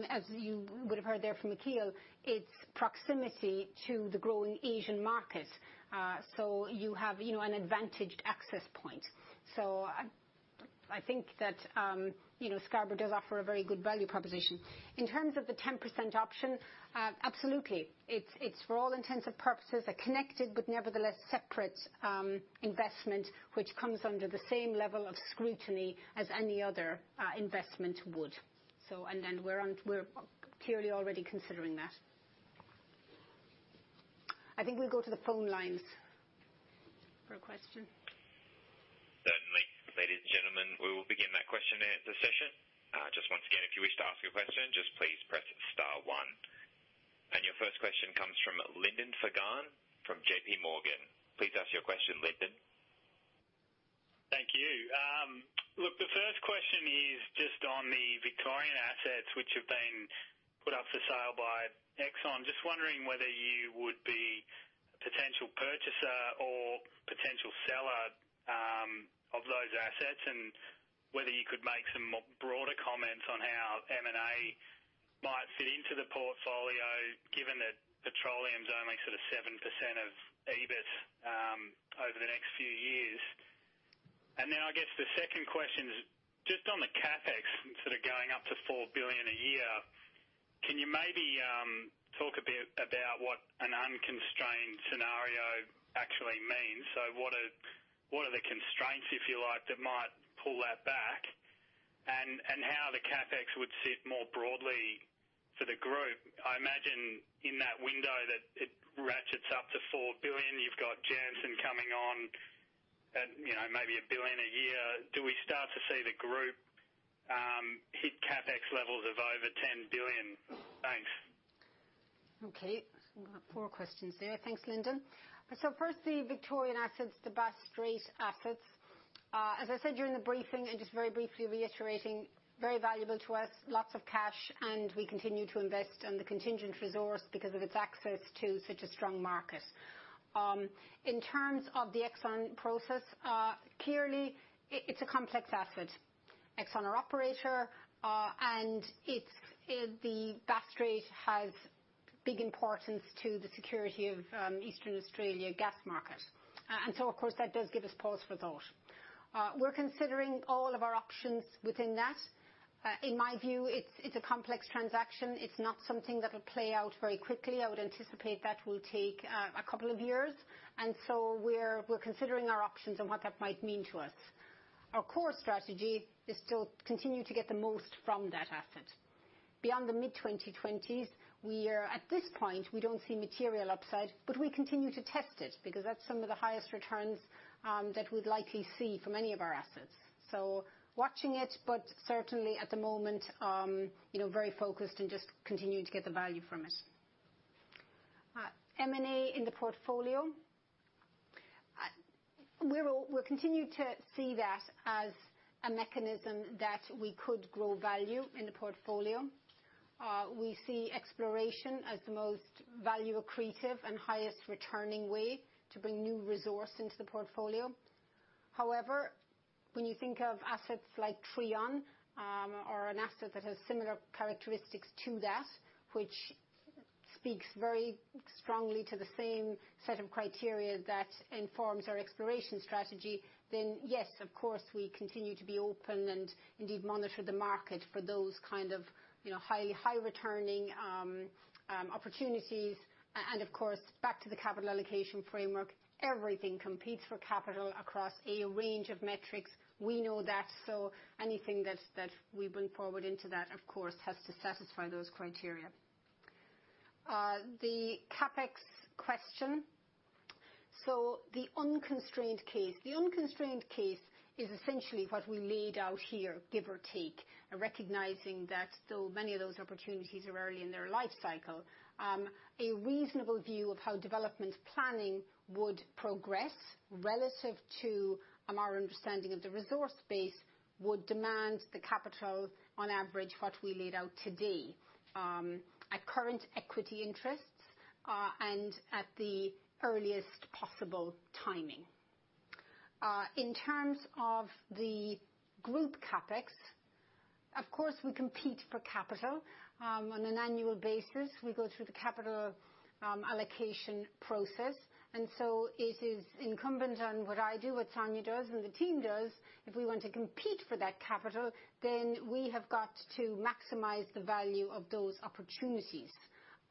as you would have heard there from Michiel, its proximity to the growing Asian market. You have an advantaged access point. I think that Scarborough does offer a very good value proposition. In terms of the 10% option, absolutely. It's for all intents and purposes a connected but nevertheless separate investment which comes under the same level of scrutiny as any other investment would. We're clearly already considering that. I think we'll go to the phone lines for a question. Certainly. Ladies and gentlemen, we will begin that question and answer session. Just once again, if you wish to ask a question, just please press star one. Your first question comes from Lyndon Fagan from JPMorgan. Please ask your question, Lyndon. Thank you. Look, the first question is just on the Victorian assets which have been put up for sale by Exxon. Just wondering whether you would be a potential purchaser or potential seller of those assets, and whether you could make some broader comments on how M&A might fit into the portfolio, given that petroleum is only sort of 7% of EBIT over the next few years. I guess the second question is just on the CapEx sort of going up to $4 billion a year. Can you maybe talk a bit about what an unconstrained scenario actually means? What are the constraints, if you like, that might pull that back? How the CapEx would sit more broadly for the group. I imagine in that window that it ratchets up to $4 billion. You've got Jansen coming on at maybe $1 billion a year. Do we start to see the group hit CapEx levels of over $10 billion? Thanks. Okay. We've got four questions there. Thanks, Lyndon. Firstly, Victorian assets, the Bass Strait assets. As I said during the briefing, and just very briefly reiterating, very valuable to us, lots of cash, and we continue to invest in the contingent resource because of its access to such a strong market. In terms of the Exxon process, clearly, it's a complex asset. Exxon are operator, and the Bass Strait has big importance to the security of Eastern Australia gas market. Of course, that does give us pause for thought. We're considering all of our options within that. In my view, it's a complex transaction. It's not something that will play out very quickly. I would anticipate that will take a couple of years. We're considering our options and what that might mean to us. Our core strategy is still continue to get the most from that asset. Beyond the mid-2020s, we are at this point, we don't see material upside, but we continue to test it because that's some of the highest returns that we'd likely see from any of our assets, watching it, but certainly at the moment very focused and just continuing to get the value from it. M&A in the portfolio, we'll continue to see that as a mechanism that we could grow value in the portfolio. We see exploration as the most value accretive and highest returning way to bring new resource into the portfolio. When you think of assets like Trion or an asset that has similar characteristics to that, which speaks very strongly to the same set of criteria that informs our exploration strategy, then yes, of course, we continue to be open and indeed monitor the market for those kind of high returning opportunities. Of course, back to the capital allocation framework, everything competes for capital across a range of metrics. We know that. Anything that we bring forward into that, of course, has to satisfy those criteria. The CapEx question. The unconstrained case. The unconstrained case is essentially what we laid out here, give or take, and recognizing that though many of those opportunities are early in their life cycle. A reasonable view of how development planning would progress relative to our understanding of the resource base would demand the capital, on average, what we laid out today at current equity interests and at the earliest possible timing. In terms of the group CapEx. Of course, we compete for capital. On an annual basis, we go through the capital allocation process. It is incumbent on what I do, what Sonia does, and the team does. If we want to compete for that capital, then we have got to maximize the value of those opportunities.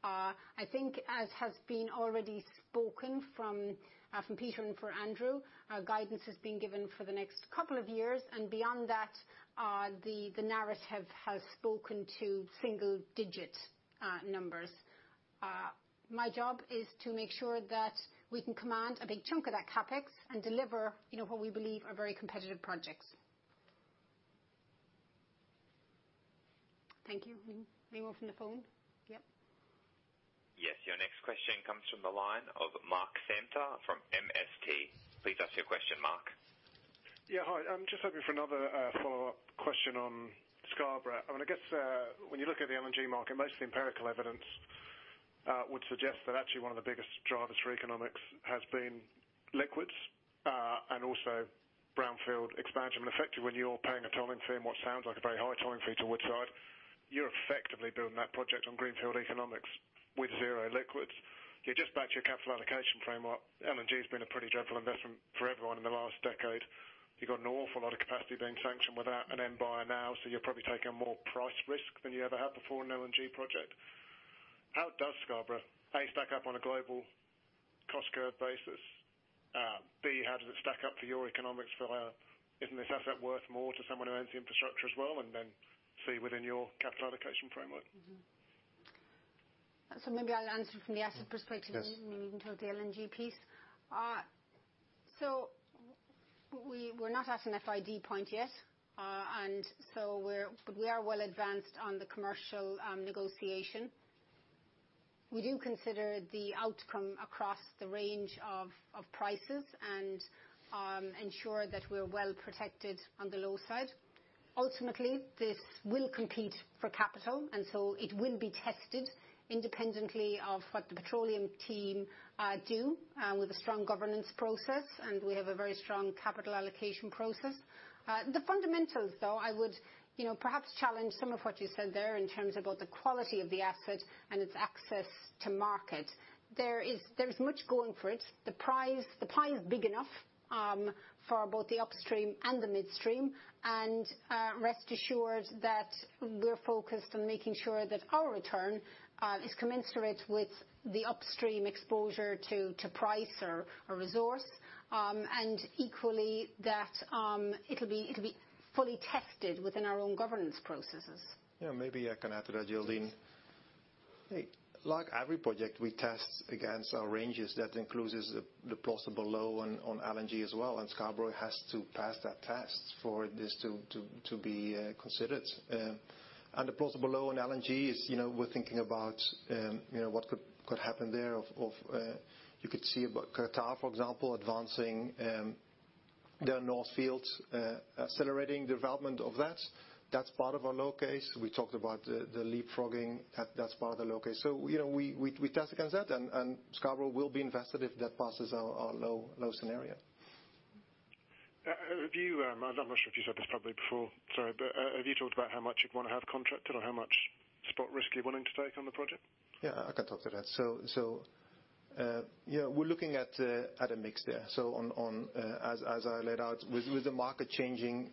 I think as has been already spoken from Peter and for Andrew, our guidance has been given for the next couple of years, and beyond that, the narrative has spoken to single-digit numbers. My job is to make sure that we can command a big chunk of that CapEx and deliver what we believe are very competitive projects. Thank you. Anyone from the phone? Yep. Yes. Your next question comes from the line of Mark Samter from MST. Please ask your question, Mark. Yeah. Hi. I'm just hoping for another follow-up question on Scarborough. I guess when you look at the LNG market, most of the empirical evidence would suggest that actually one of the biggest drivers for economics has been liquids, and also brownfield expansion. Effectively, when you're paying a tolling fee on what sounds like a very high tolling fee to Woodside, you're effectively building that project on greenfield economics with zero liquids. Yeah, just back to your capital allocation framework, LNG has been a pretty dreadful investment for everyone in the last decade. You've got an awful lot of capacity being sanctioned without an end buyer now, so you're probably taking more price risk than you ever have before in an LNG project. How does Scarborough, A, stack up on a global cost curve basis? B, isn't this asset worth more to someone who owns the infrastructure as well? C, within your capital allocation framework? Mm-hmm. Maybe I'll answer from the asset perspective. Yes. You can talk the LNG piece. We're not at an FID point yet. We are well advanced on the commercial negotiation. We do consider the outcome across the range of prices and ensure that we're well protected on the low side. Ultimately, this will compete for capital, and so it will be tested independently of what the petroleum team do, with a strong governance process, and we have a very strong capital allocation process. The fundamentals, though, I would perhaps challenge some of what you said there in terms about the quality of the asset and its access to market. There is much going for it. The pie is big enough for both the upstream and the midstream, and rest assured that we're focused on making sure that our return is commensurate with the upstream exposure to price or resource. Equally, that it'll be fully tested within our own governance processes. Yeah, maybe I can add to that, Geraldine. Like every project, we test against our ranges. That includes the possible low on LNG as well. Scarborough has to pass that test for this to be considered. The possible low on LNG is we're thinking about what could happen there of, you could see Qatar, for example, advancing their North Field, accelerating development of that. That's part of our low case. We talked about the leapfrogging. That's part of the low case. We test against that, and Scarborough will be invested if that passes our low scenario. I'm not sure if you said this probably before, sorry, but have you talked about how much you want to have contracted or how much spot risk you're willing to take on the project? Yeah, I can talk to that. We're looking at a mix there. As I laid out, with the market changing,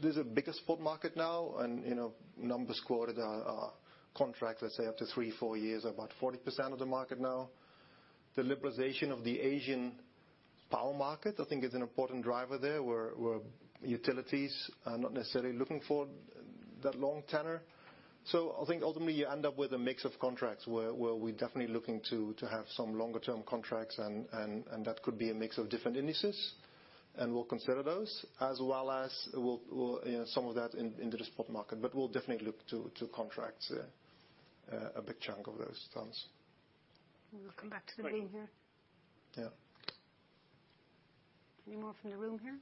there's a bigger spot market now, and numbers quoted are contracts, let's say up to three, four years, about 40% of the market now. The liberalization of the Asian power market, I think is an important driver there, where utilities are not necessarily looking for that long tenor. I think ultimately you end up with a mix of contracts where we're definitely looking to have some longer-term contracts, and that could be a mix of different indices. We'll consider those, as well as some of that into the spot market. We'll definitely look to contract a big chunk of those tons. We'll come back to the room here. Yeah. Any more from the room here?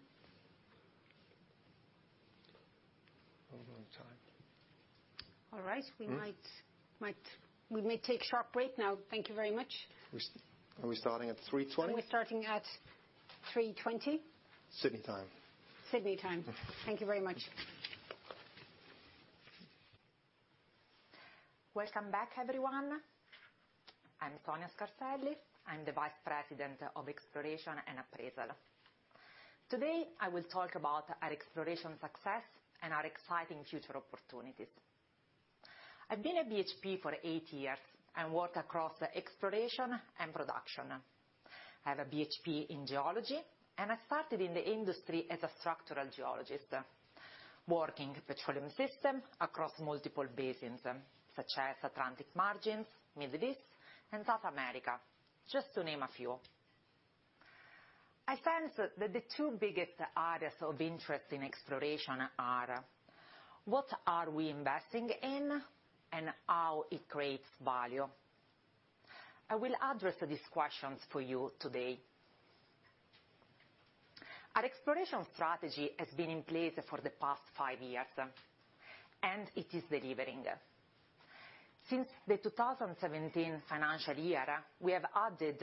How are we on time? All right. We might take a short break now. Thank you very much. Are we starting at 3:20? We're starting at 3:20. Sydney time. Sydney time. Thank you very much. Welcome back, everyone. I'm Sonia Scarselli. I'm the Vice President of Exploration and Appraisal. Today, I will talk about our exploration success and our exciting future opportunities. I've been at BHP for eight years and worked across exploration and production. I have a BHP in geology, and I started in the industry as a structural geologist, working petroleum system across multiple basins, such as Atlantic margins, Middle East, and South America, just to name a few. I sense that the two biggest areas of interest in exploration are what are we investing in and how it creates value. I will address these questions for you today. Our exploration strategy has been in place for the past five years, and it is delivering. Since the 2017 financial year, we have added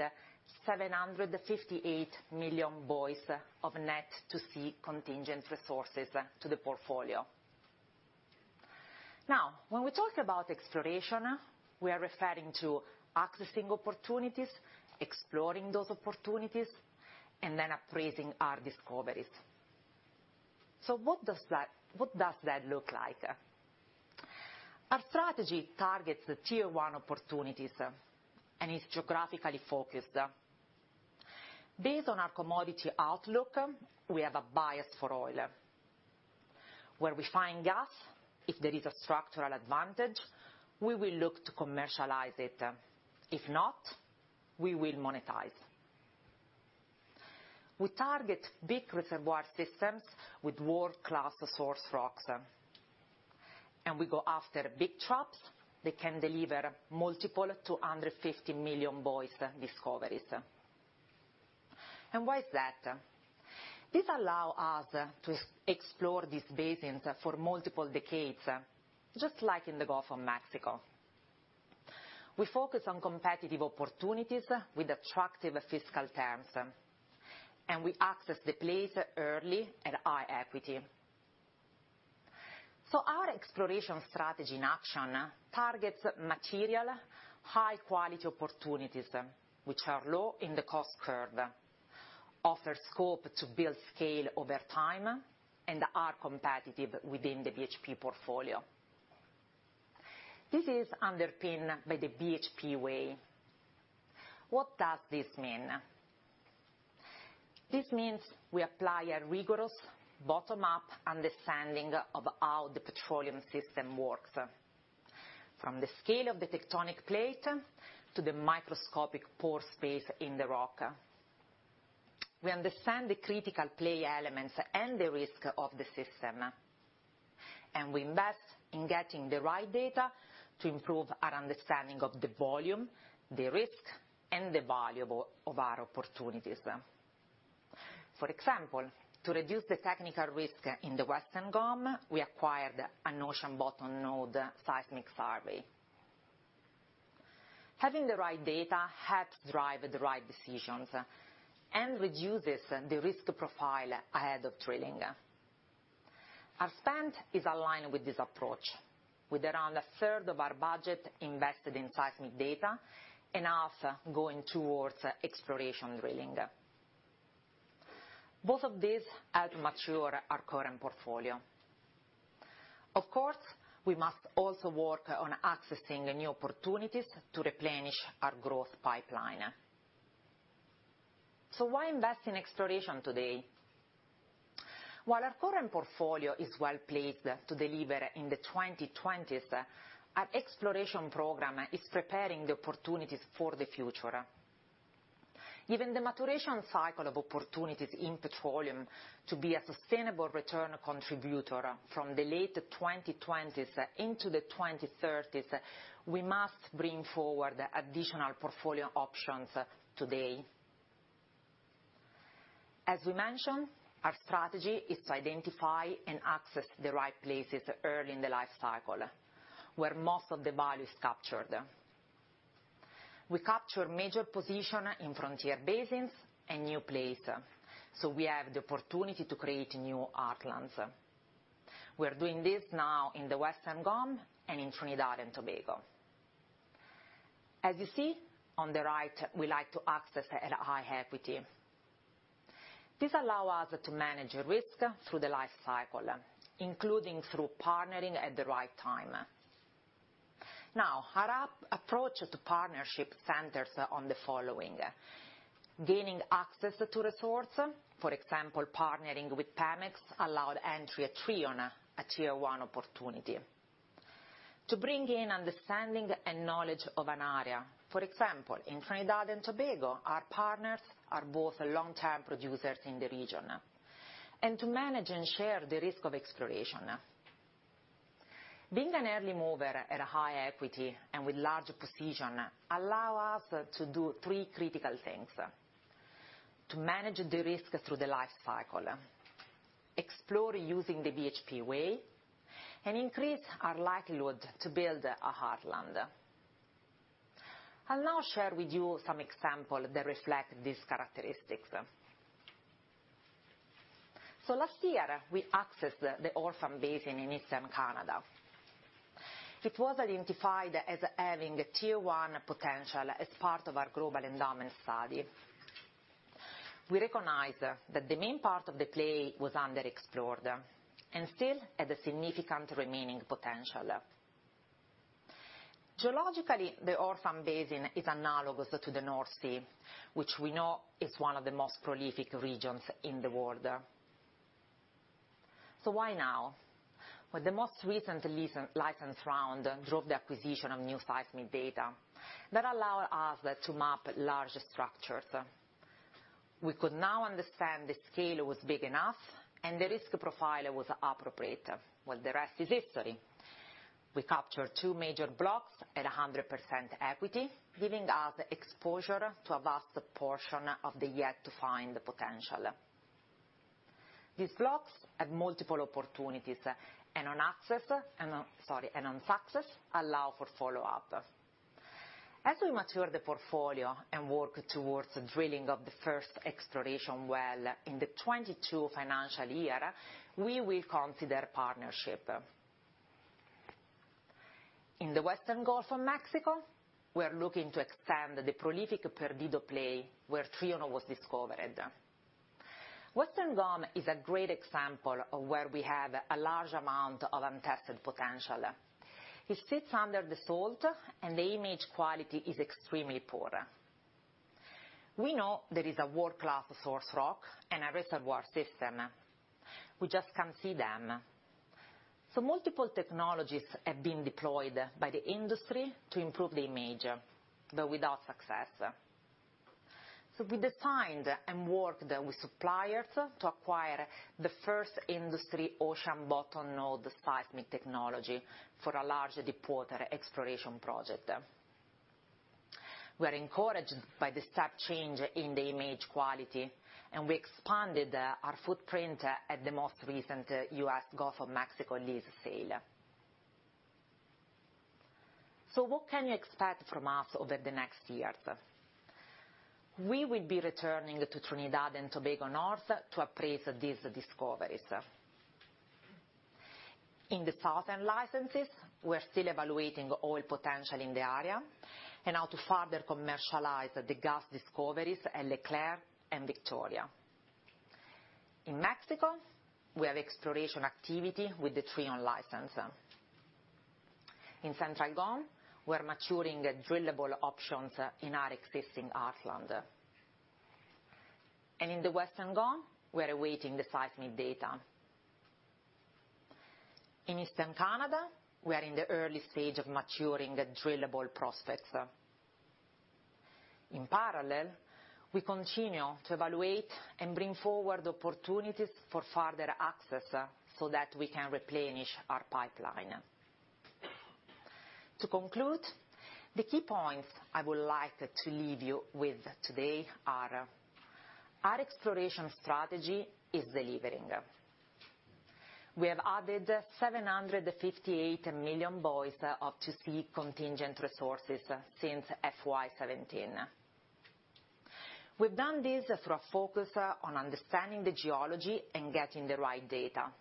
758 million BOE of net 2C contingent resources to the portfolio. When we talk about exploration, we are referring to accessing opportunities, exploring those opportunities, and then appraising our discoveries. What does that look like? Our strategy targets the Tier 1 opportunities and is geographically focused. Based on our commodity outlook, we have a bias for oil. Where we find gas, if there is a structural advantage, we will look to commercialize it. If not, we will monetize. We target big reservoir systems with world-class source rocks. We go after big traps they can deliver multiple 250 million BOE discoveries. Why is that? This allow us to explore these basins for multiple decades, just like in the Gulf of Mexico. We focus on competitive opportunities with attractive fiscal terms, and we access the plays early at high equity. Our exploration strategy in action targets material, high-quality opportunities which are low in the cost curve, offer scope to build scale over time, and are competitive within the BHP portfolio. This is underpinned by the BHP way. What does this mean? This means we apply a rigorous bottom-up understanding of how the petroleum system works, from the scale of the tectonic plate to the microscopic pore space in the rock. We understand the critical play elements and the risk of the system, and we invest in getting the right data to improve our understanding of the volume, the risk, and the value of our opportunities. For example, to reduce the technical risk in the Western GOM, we acquired an ocean bottom node seismic survey. Having the right data helps drive the right decisions and reduces the risk profile ahead of drilling. Our spend is aligned with this approach, with around a third of our budget invested in seismic data and half going towards exploration drilling. Both of these help mature our current portfolio. Of course, we must also work on accessing new opportunities to replenish our growth pipeline. Why invest in exploration today? While our current portfolio is well-placed to deliver in the 2020s, our exploration program is preparing the opportunities for the future. Given the maturation cycle of opportunities in petroleum to be a sustainable return contributor from the late 2020s into the 2030s, we must bring forward additional portfolio options today. As we mentioned, our strategy is to identify and access the right places early in the life cycle, where most of the value is captured. We capture major position in frontier basins and new plays, so we have the opportunity to create new heartlands. We are doing this now in the Western GOM and in Trinidad and Tobago. As you see on the right, we like to access at a high equity. This allow us to manage risk through the life cycle, including through partnering at the right time. Our approach to partnership centers on the following. Gaining access to resource. For example, partnering with Pemex allowed entry at Trion, a Tier 1 opportunity. To bring in understanding and knowledge of an area. For example, in Trinidad and Tobago, our partners are both long-term producers in the region. To manage and share the risk of exploration. Being an early mover at a high equity and with large position allow us to do three critical things: to manage the risk through the life cycle, explore using the BHP way, and increase our likelihood to build a heartland. I'll now share with you some example that reflect these characteristics. Last year, we accessed the Orphan Basin in Eastern Canada. It was identified as having Tier 1 potential as part of our Global Endowment Study. We recognized that the main part of the play was underexplored and still had a significant remaining potential. Geologically, the Orphan Basin is analogous to the North Sea, which we know is one of the most prolific regions in the world. Why now? Well, the most recent license round drove the acquisition of new seismic data that allowed us to map large structures. We could now understand the scale was big enough, and the risk profile was appropriate. Well, the rest is history. We captured two major blocks at 100% equity, giving us exposure to a vast portion of the yet to find the potential. These blocks have multiple opportunities, and on success, allow for follow-up. As we mature the portfolio and work towards the drilling of the first exploration well in the 2022 financial year, we will consider partnership. In the Western Gulf of Mexico, we are looking to expand the prolific Perdido play where Trion was discovered. Western GOM is a great example of where we have a large amount of untested potential. It sits under the salt, and the image quality is extremely poor. We know there is a world-class source rock and a reservoir system. We just can't see them. Multiple technologies have been deployed by the industry to improve the image, though without success. We designed and worked with suppliers to acquire the first industry ocean bottom node seismic technology for a large deepwater exploration project. We are encouraged by the step change in the image quality, and we expanded our footprint at the most recent U.S. Gulf of Mexico lease sale. What can you expect from us over the next years? We will be returning to Trinidad and Tobago North to appraise these discoveries. In the southern licenses, we're still evaluating oil potential in the area and how to further commercialize the gas discoveries at LeClerc and Victoria. In Mexico, we have exploration activity with the Trion license. In Central GOM, we're maturing drillable options in our existing heartland. In the Western GOM, we're awaiting the seismic data. In Eastern Canada, we are in the early stage of maturing drillable prospects. In parallel, we continue to evaluate and bring forward opportunities for further access so that we can replenish our pipeline. To conclude, the key points I would like to leave you with today are our exploration strategy is delivering. We have added 758 million BOEs of 2C contingent resources since FY 2017. We've done this through a focus on understanding the geology and getting the right data.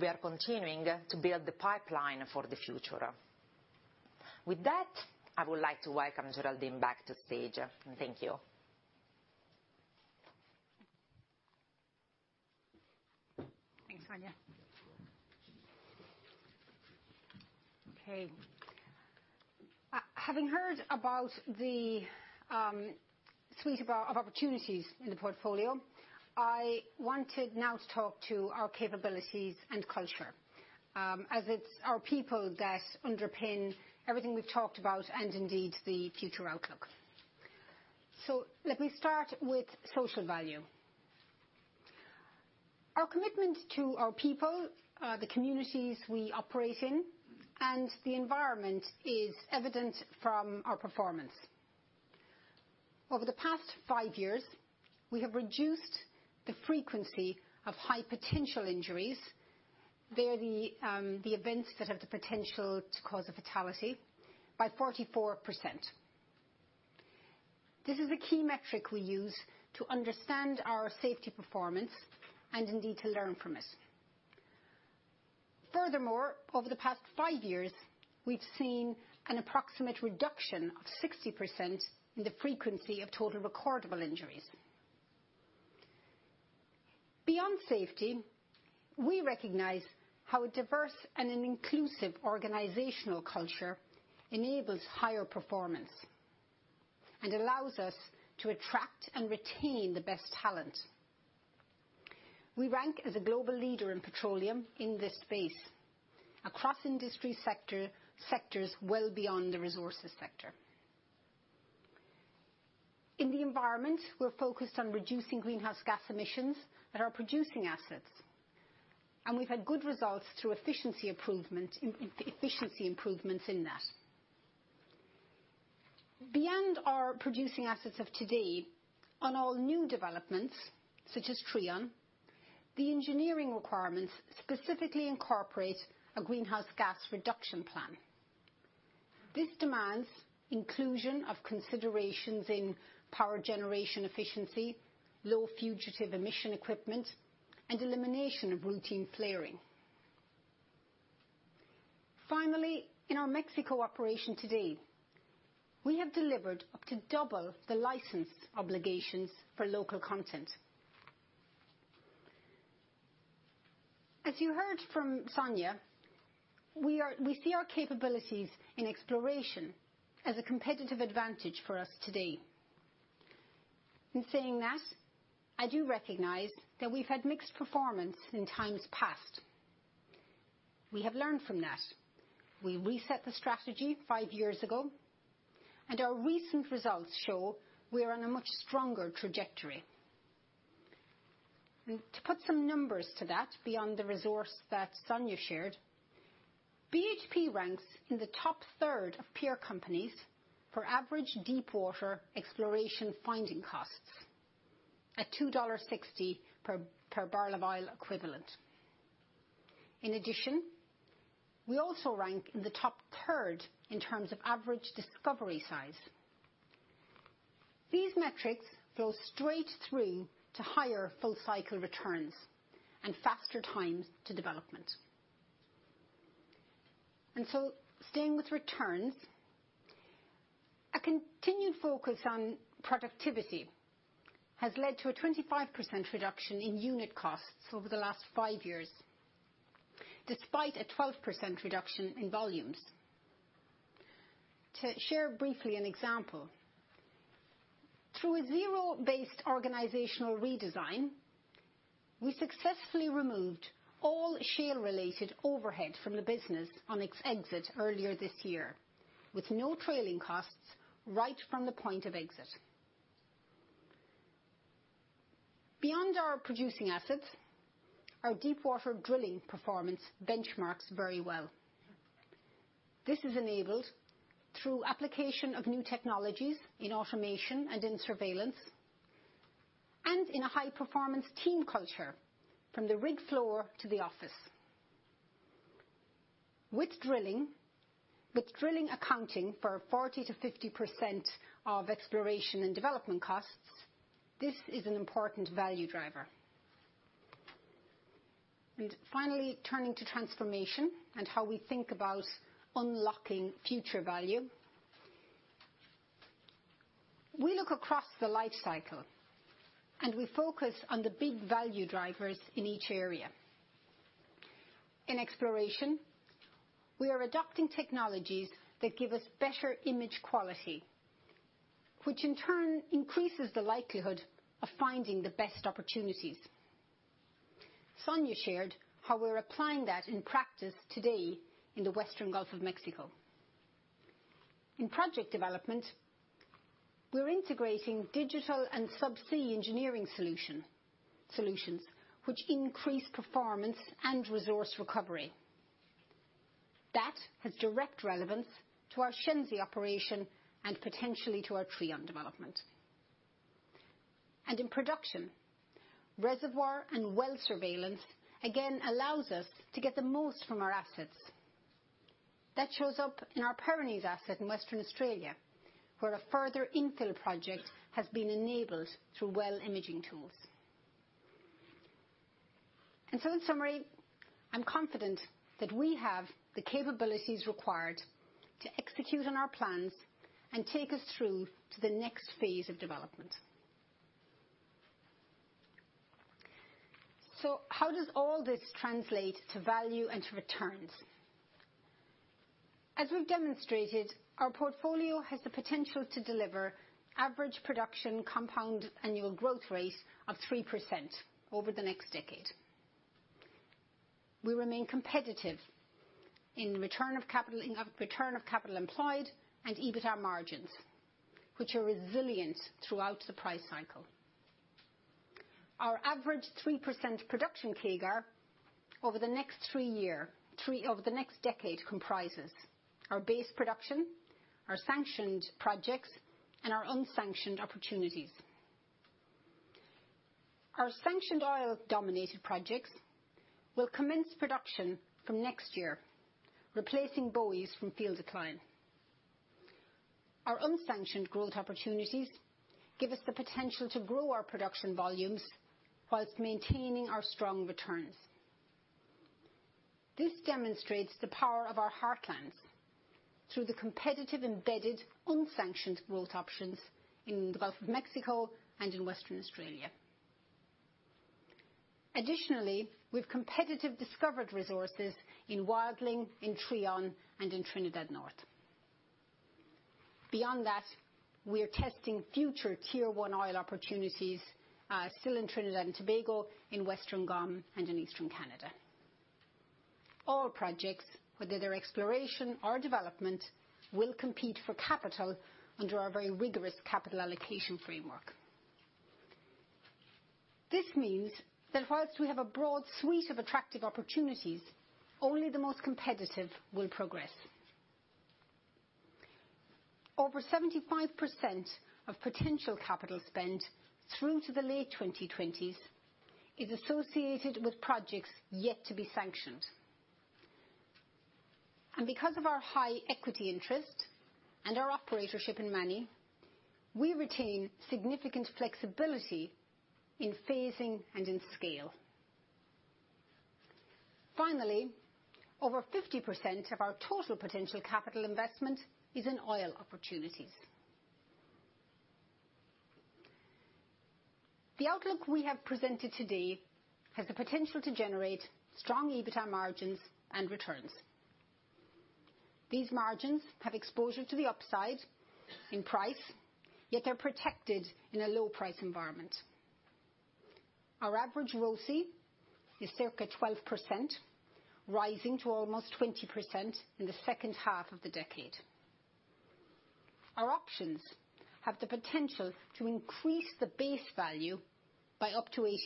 We are continuing to build the pipeline for the future. With that, I would like to welcome Geraldine back to stage. Thank you. Thanks, Sonia. Okay. Having heard about the suite of opportunities in the portfolio, I wanted now to talk to our capabilities and culture, as it's our people that underpin everything we've talked about and indeed the future outlook. Let me start with social value. Our commitment to our people, the communities we operate in, and the environment is evident from our performance. Over the past five years, we have reduced the frequency of high potential injuries, they're the events that have the potential to cause a fatality, by 44%. This is a key metric we use to understand our safety performance and indeed to learn from it. Furthermore, over the past five years, we've seen an approximate reduction of 60% in the frequency of total recordable injuries. Beyond safety, we recognize how a diverse and an inclusive organizational culture enables higher performance and allows us to attract and retain the best talent. We rank as a global leader in petroleum in this space across industry sectors well beyond the resources sector. In the environment, we're focused on reducing greenhouse gas emissions at our producing assets, and we've had good results through efficiency improvements in that. Beyond our producing assets of today, on all new developments, such as Trion, the engineering requirements specifically incorporate a greenhouse gas reduction plan. This demands inclusion of considerations in power generation efficiency, low fugitive emission equipment, and elimination of routine flaring. Finally, in our Mexico operation today, we have delivered up to double the license obligations for local content. As you heard from Sonia, we see our capabilities in exploration as a competitive advantage for us today. In saying that, I do recognize that we've had mixed performance in times past. We have learned from that. We reset the strategy five years ago. Our recent results show we are on a much stronger trajectory. To put some numbers to that beyond the resource that Sonia shared. BHP ranks in the top third of peer companies for average deepwater exploration finding costs at $2.60 per barrel of oil equivalent. In addition, we also rank in the top third in terms of average discovery size. These metrics flow straight through to higher full cycle returns and faster times to development. Staying with returns, a continued focus on productivity has led to a 25% reduction in unit costs over the last five years, despite a 12% reduction in volumes. To share briefly an example, through a zero-based organizational redesign, we successfully removed all shale related overhead from the business on its exit earlier this year, with no trailing costs right from the point of exit. Beyond our producing assets, our deepwater drilling performance benchmarks very well. This is enabled through application of new technologies in automation and in surveillance, and in a high performance team culture, from the rig floor to the office. With drilling accounting for 40%-50% of exploration and development costs, this is an important value driver. Finally, turning to transformation and how we think about unlocking future value. We look across the life cycle, and we focus on the big value drivers in each area. In exploration, we are adopting technologies that give us better image quality, which in turn increases the likelihood of finding the best opportunities. Sonia shared how we're applying that in practice today in the Western Gulf of Mexico. In project development, we're integrating digital and subsea engineering solutions, which increase performance and resource recovery. That has direct relevance to our Shenzi operation and potentially to our Trion development. In production, reservoir and well surveillance, again, allows us to get the most from our assets. That shows up in our Pyrenees asset in Western Australia, where a further infill project has been enabled through well imaging tools. In summary, I'm confident that we have the capabilities required to execute on our plans and take us through to the next phase of development. How does all this translate to value and to returns? As we've demonstrated, our portfolio has the potential to deliver average production compound annual growth rate of 3% over the next decade. We remain competitive in return of capital employed and EBITDA margins, which are resilient throughout the price cycle. Our average 3% production CAGR over the next decade comprises our base production, our sanctioned projects, and our unsanctioned opportunities. Our sanctioned oil-dominated projects will commence production from next year, replacing BOEs from field decline. Our unsanctioned growth opportunities give us the potential to grow our production volumes while maintaining our strong returns. This demonstrates the power of our heartlands through the competitive, embedded, unsanctioned growth options in the Gulf of Mexico and in Western Australia. Additionally, we've competitive discovered resources in Wildling, in Trion, and in Trinidad North. Beyond that, we're testing future Tier 1 oil opportunities, still in Trinidad and Tobago, in Western GOM, and in Eastern Canada. All projects, whether they're exploration or development, will compete for capital under our very rigorous capital allocation framework. This means that whilst we have a broad suite of attractive opportunities, only the most competitive will progress. Over 75% of potential capital spend through to the late 2020s is associated with projects yet to be sanctioned. Because of our high equity interest and our operatorship in many, we retain significant flexibility in phasing and in scale. Over 50% of our total potential capital investment is in oil opportunities. The outlook we have presented today has the potential to generate strong EBITDA margins and returns. These margins have exposure to the upside in price, yet they're protected in a low price environment. Our average ROCE is circa 12%, rising to almost 20% in the second half of the decade. Our options have the potential to increase the base value by up to 80%.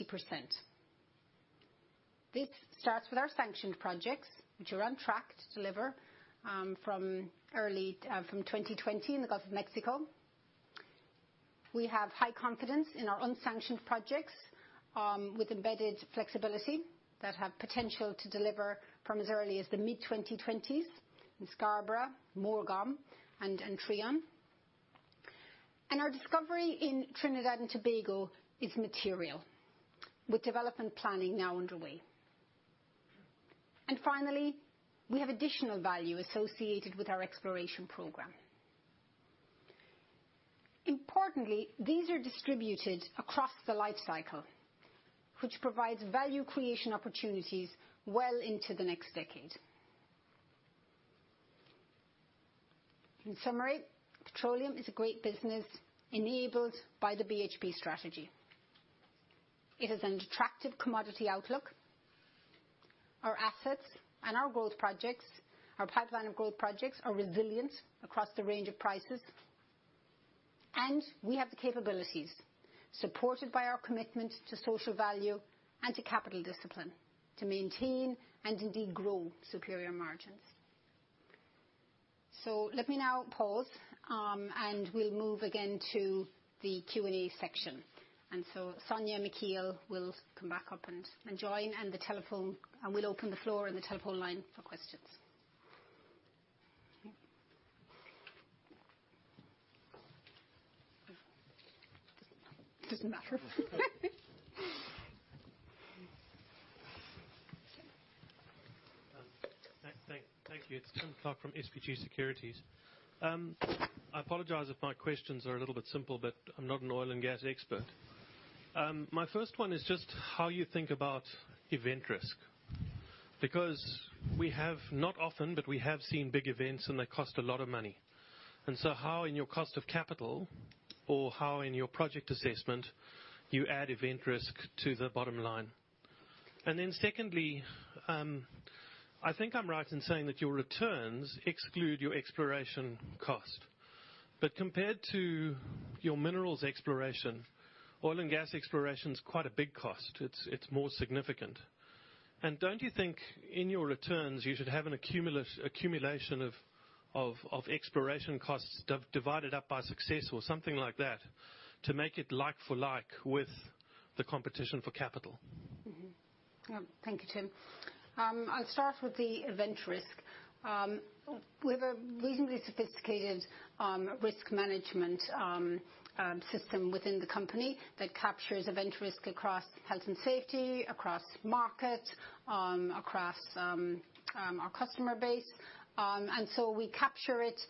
This starts with our sanctioned projects, which are on track to deliver from 2020 in the Gulf of Mexico. We have high confidence in our unsanctioned projects, with embedded flexibility that have potential to deliver from as early as the mid-2020s in Scarborough, Morgon, and Trion. Our discovery in Trinidad and Tobago is material, with development planning now underway. Finally, we have additional value associated with our exploration program. Importantly, these are distributed across the life cycle, which provides value creation opportunities well into the next decade. In summary, petroleum is a great business enabled by the BHP strategy. It has an attractive commodity outlook. Our assets and our growth projects, our pipeline of growth projects, are resilient across the range of prices. We have the capabilities, supported by our commitment to social value and to capital discipline, to maintain and indeed grow superior margins. Let me now pause, and we'll move again to the Q&A section. Sonia and Michiel will come back up and join, and we'll open the floor and the telephone line for questions. Doesn't matter. Thank you. It's Tim Clark from SBG Securities. I apologize if my questions are a little bit simple, but I'm not an oil and gas expert. My first one is just how you think about event risk. We have, not often, but we have seen big events, and they cost a lot of money. How in your cost of capital, or how in your project assessment, you add event risk to the bottom line? Secondly, I think I'm right in saying that your returns exclude your exploration cost. Compared to your minerals exploration, oil and gas exploration is quite a big cost. It's more significant. Don't you think in your returns you should have an accumulation of exploration costs divided up by success or something like that to make it like for like with the competition for capital? Thank you, Tim. I'll start with the event risk. We have a reasonably sophisticated risk management system within the company that captures event risk across health and safety, across market, across our customer base. We capture it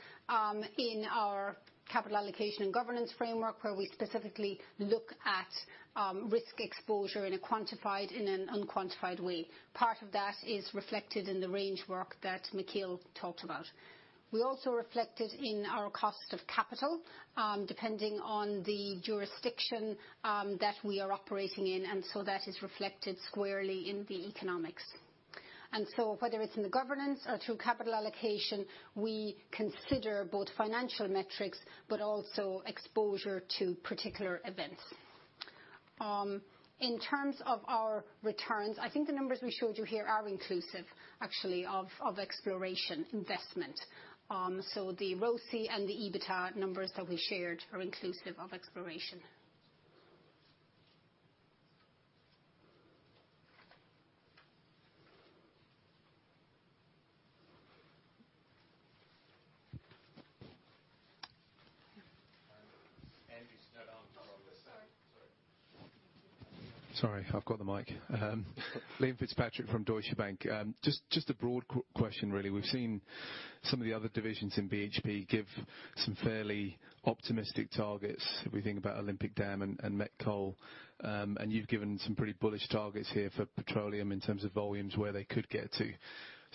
in our capital allocation and governance framework, where we specifically look at risk exposure in a quantified and an unquantified way. Part of that is reflected in the range work that Michiel talked about. We also reflect it in our cost of capital, depending on the jurisdiction that we are operating in. That is reflected squarely in the economics. Whether it's in the governance or through capital allocation, we consider both financial metrics, but also exposure to particular events. In terms of our returns, I think the numbers we showed you here are inclusive, actually, of exploration investment. The ROCE and the EBITDA numbers that we shared are inclusive of exploration. Andy, stand on this side. Sorry. Sorry, I've got the mic. Liam Fitzpatrick from Deutsche Bank. Just a broad question, really. We've seen some of the other divisions in BHP give some fairly optimistic targets if we think about Olympic Dam and Met Coal, and you've given some pretty bullish targets here for petroleum in terms of volumes where they could get to.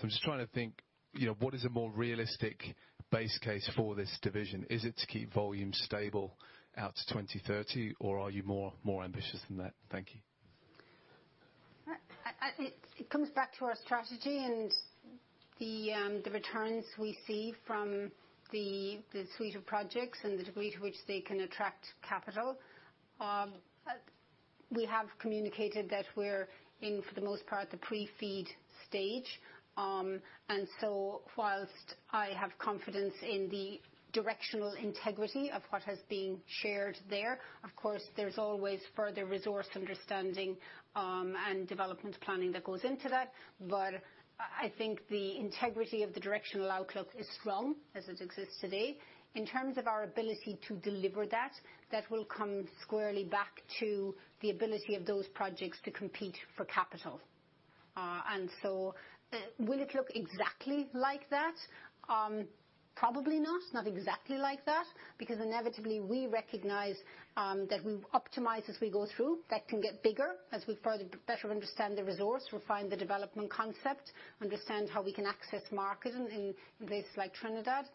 I'm just trying to think, what is a more realistic base case for this division? Is it to keep volume stable out to 2030, or are you more ambitious than that? Thank you. It comes back to our strategy and the returns we see from the suite of projects and the degree to which they can attract capital. We have communicated that we're in, for the most part, the pre-FEED stage. Whilst I have confidence in the directional integrity of what has been shared there, of course, there's always further resource understanding and development planning that goes into that. I think the integrity of the directional outlook is strong as it exists today. In terms of our ability to deliver that will come squarely back to the ability of those projects to compete for capital. Will it look exactly like that? Probably not exactly like that, because inevitably we recognize that we optimize as we go through. That can get bigger as we better understand the resource, refine the development concept, understand how we can access market in places like Trinidad.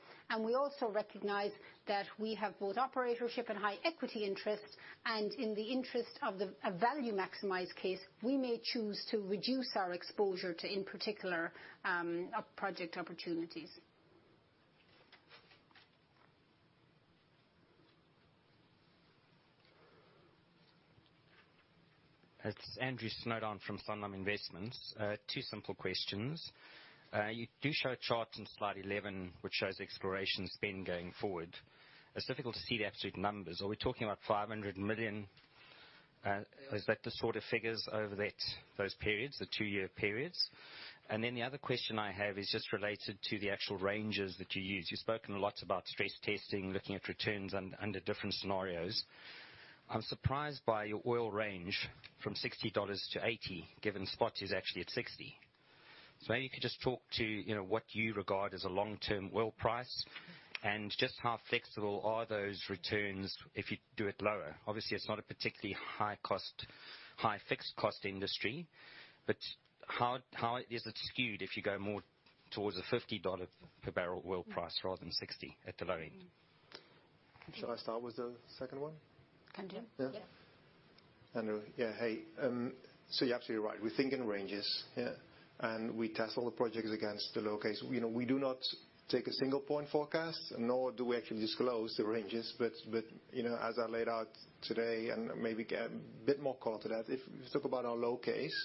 We also recognize that we have both operatorship and high equity interest, and in the interest of a value maximized case, we may choose to reduce our exposure to, in particular, project opportunities. It's Andrew Snowdowne from Sanlam Investments. Two simple questions. You do show a chart in Slide 11, which shows exploration spend going forward. It's difficult to see the absolute numbers. Are we talking about $500 million? Is that the sort of figures over those periods, the two-year periods? The other question I have is just related to the actual ranges that you use. You've spoken a lot about stress testing, looking at returns under different scenarios. I'm surprised by your oil range from $60-$80, given spot is actually at $60. Maybe you could just talk to what you regard as a long-term oil price, and just how flexible are those returns if you do it lower? Obviously, it's not a particularly high fixed cost industry, how is it skewed if you go more towards a $50 per barrel oil price rather than $60 at the low end? Shall I start with the second one? Can do. Yeah. Yeah. Andrew. You're absolutely right. We think in ranges. We test all the projects against the low case. We do not take a single point forecast, nor do we actually disclose the ranges. As I laid out today, and maybe get a bit more color to that, if we talk about our low case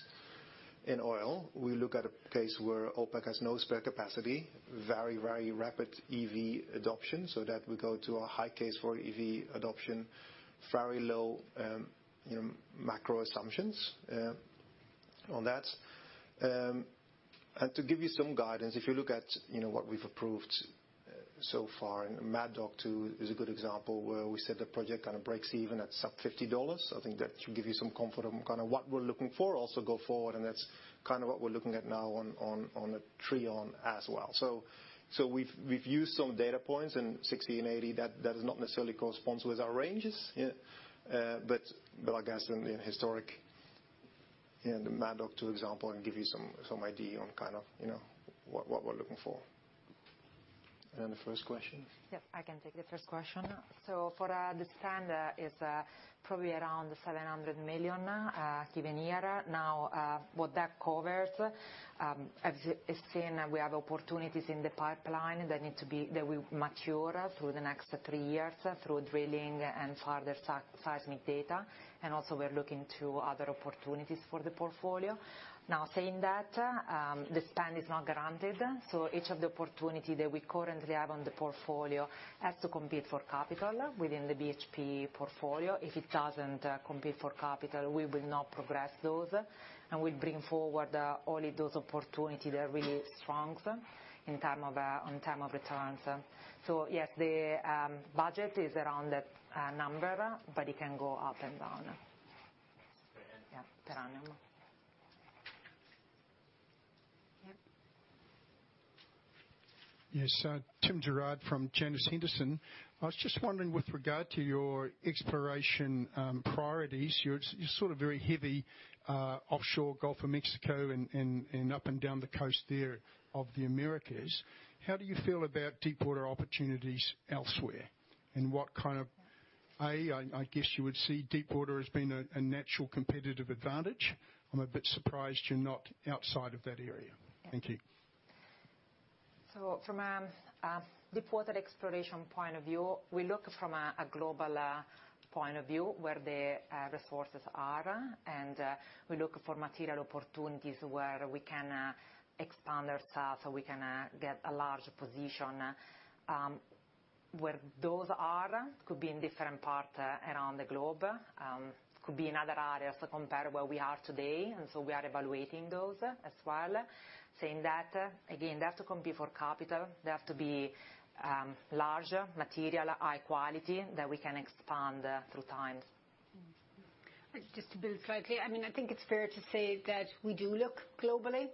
in oil, we look at a case where OPEC has no spare capacity, very rapid EV adoption, so that we go to a high case for EV adoption, very low macro assumptions on that. To give you some guidance, if you look at what we've approved so far, and Mad Dog 2 is a good example where we said the project breaks even at sub $50. I think that should give you some comfort on what we're looking for. Go forward, and that's kind of what we're looking at now on Trion as well. We've used some data points and $60 and $80, that does not necessarily correspond with our ranges. I guess in historic, in the Mad Dog 2 example, it give you some idea on what we're looking for. The first question? Yes, I can take the first question. For our spend is probably around $700 million given year. What that covers, as seen, we have opportunities in the pipeline that will mature through the next three years through drilling and further seismic data. We're looking to other opportunities for the portfolio. Saying that, the spend is not guaranteed. Each of the opportunity that we currently have on the portfolio has to compete for capital within the BHP portfolio. If it doesn't compete for capital, we will not progress those, and we'll bring forward only those opportunity that are really strong on time of returns. Yes, the budget is around that number, but it can go up and down. Per annum. Yeah, per annum. Yeah. Yeah. Yes. Tim Gerrard from Janus Henderson. I was just wondering with regard to your exploration priorities, you're very heavy offshore Gulf of Mexico and up and down the coast there of the Americas. How do you feel about deep water opportunities elsewhere? What kind of, I guess you would see deep water as being a natural competitive advantage. I'm a bit surprised you're not outside of that area. Yeah. Thank you. From a deep water exploration point of view, we look from a global point of view where the resources are. We look for material opportunities where we can expand ourselves so we can get a large position. Where those are could be in different part around the globe. Could be in other areas compared where we are today. We are evaluating those as well. Saying that, again, they have to compete for capital. They have to be large material, high quality that we can expand through times. Just to build slightly. I think it's fair to say that we do look globally.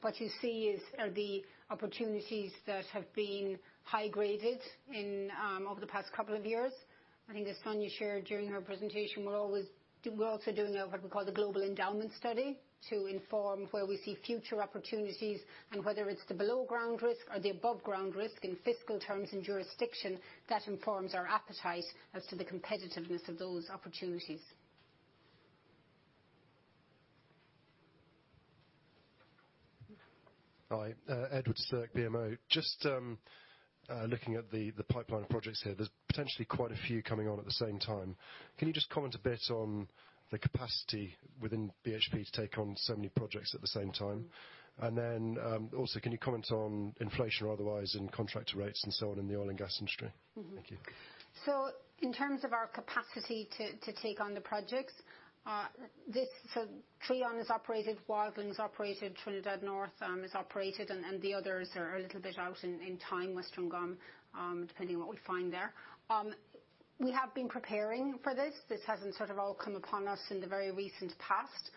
What you see are the opportunities that have been high graded over the past couple of years. I think as Sonia shared during her presentation, we're also doing what we call the Global Endowment Study to inform where we see future opportunities and whether it's the below-ground risk or the above-ground risk in fiscal terms and jurisdiction that informs our appetite as to the competitiveness of those opportunities. Hi, Edward Sterck, BMO. Just looking at the pipeline of projects here, there's potentially quite a few coming on at the same time. Can you just comment a bit on the capacity within BHP to take on so many projects at the same time? Also, can you comment on inflation or otherwise in contractor rates and so on in the oil and gas industry? Thank you. In terms of our capacity to take on the projects, Trion is operated, Wildling is operated, Trinidad North is operated, and the others are a little bit out in time, Western GOM, depending on what we find there. We have been preparing for this. This hasn't all come upon us in the very recent past.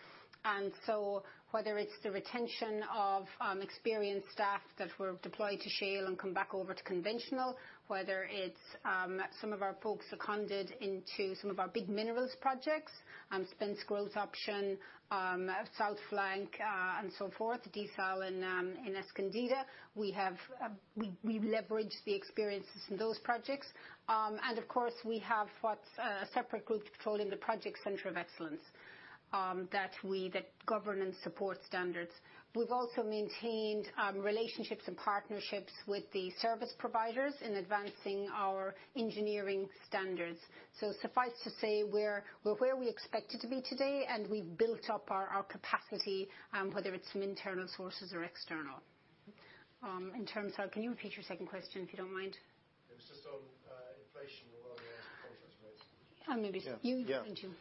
Whether it's the retention of experienced staff that were deployed to shale and come back over to conventional, whether it's some of our folks seconded into some of our big minerals projects, Spence Growth Option, South Flank, and so forth, desal in Escondida. We leverage the experiences in those projects. Of course, we have what's a separate group controlling the project center of excellence that governance support standards. We've also maintained relationships and partnerships with the service providers in advancing our engineering standards. Suffice to say, we're where we expected to be today, and we've built up our capacity, whether it's from internal sources or external. Can you repeat your second question, if you don't mind? It was just on inflation performance rates. Maybe. Yeah. You jump in, too.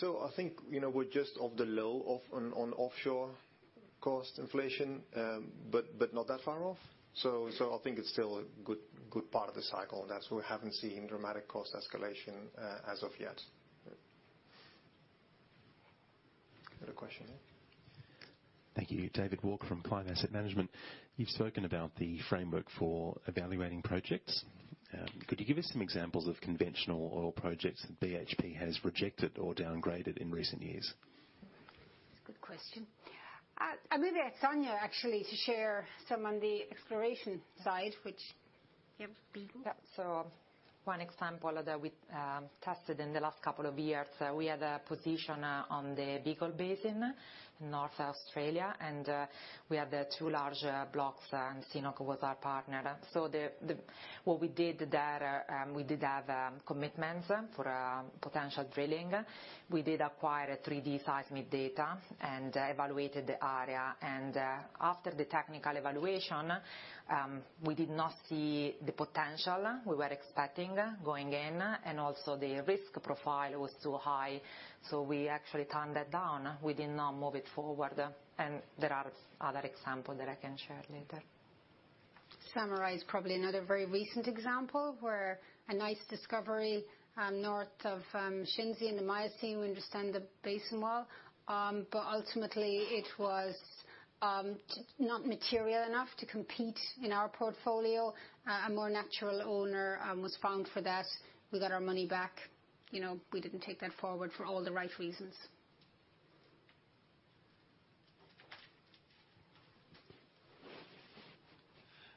Yeah. I think, we're just off the low on offshore cost inflation, but not that far off. I think it's still a good part of the cycle, and that's why we haven't seen dramatic cost escalation as of yet. Got a question here. Thank you. David Walker from Clime Asset Management. You've spoken about the framework for evaluating projects. Could you give us some examples of conventional oil projects that BHP has rejected or downgraded in recent years? That's a good question. I'm going to ask Sonia, actually, to share some on the exploration side, which you have Beagle. Yeah. One example that we tested in the last couple of years, we had a position on the Beagle Basin in North Australia, and we had two large blocks, and CNOOC was our partner. What we did there, we did have commitments for potential drilling. We did acquire 3D seismic data and evaluated the area. After the technical evaluation, we did not see the potential we were expecting going in, and also the risk profile was too high. We actually turned that down. We did not move it forward. There are other examples that I can share later. Samurai is probably another very recent example, where a nice discovery north of Shenzi in the Miocene, we understand the basin well. Ultimately it was not material enough to compete in our portfolio. A more natural owner was found for that. We got our money back. We didn't take that forward for all the right reasons.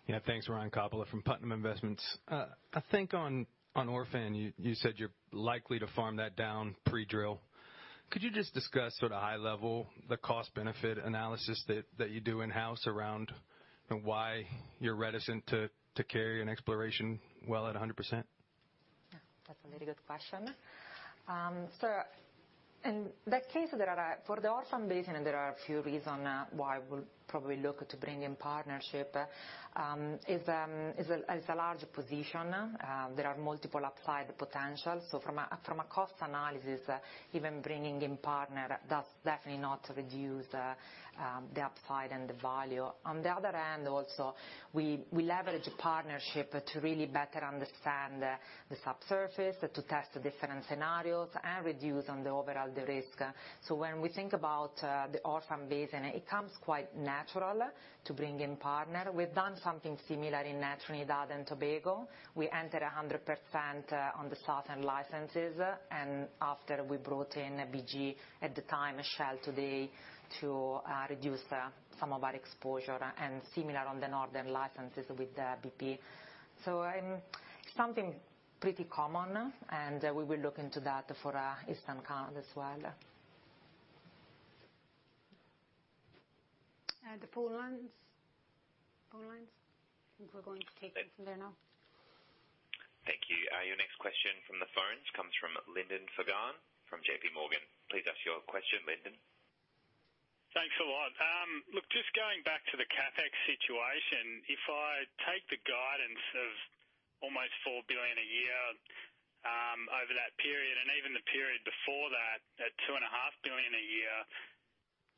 Yeah. Thanks. Ryan Kauppila from Putnam Investments. I think on Orphan, you said you're likely to farm that down pre-drill. Could you just discuss sort of high level, the cost benefit analysis that you do in-house around why you're reticent to carry an exploration well at 100%? That's a very good question. In that case, for the Orphan Basin, there are a few reasons why we'll probably look to bring in partnership. It's a large position. There are multiple applied potentials. From a cost analysis, even bringing in partner, that's definitely not to reduce the upside and the value. On the other hand, also, we leverage partnership to really better understand the subsurface, to test different scenarios and reduce on the overall risk. When we think about the Orphan Basin, it comes quite natural to bring in partner. We've done something similar in Trinidad and Tobago. We entered 100% on the southern licenses, and after we brought in BG, at the time, Shell today, to reduce some of our exposure, and similar on the northern licenses with BP. Something pretty common, and we will look into that for Eastern Canada as well. The phone lines. I think we're going to take it from there now. Thank you. Your next question from the phones comes from Lyndon Fagan from JPMorgan. Please ask your question, Lyndon. Thanks a lot. Look, just going back to the CapEx situation. If I take the guidance of almost $4 billion a year over that period, even the period before that, at $2.5 billion a year,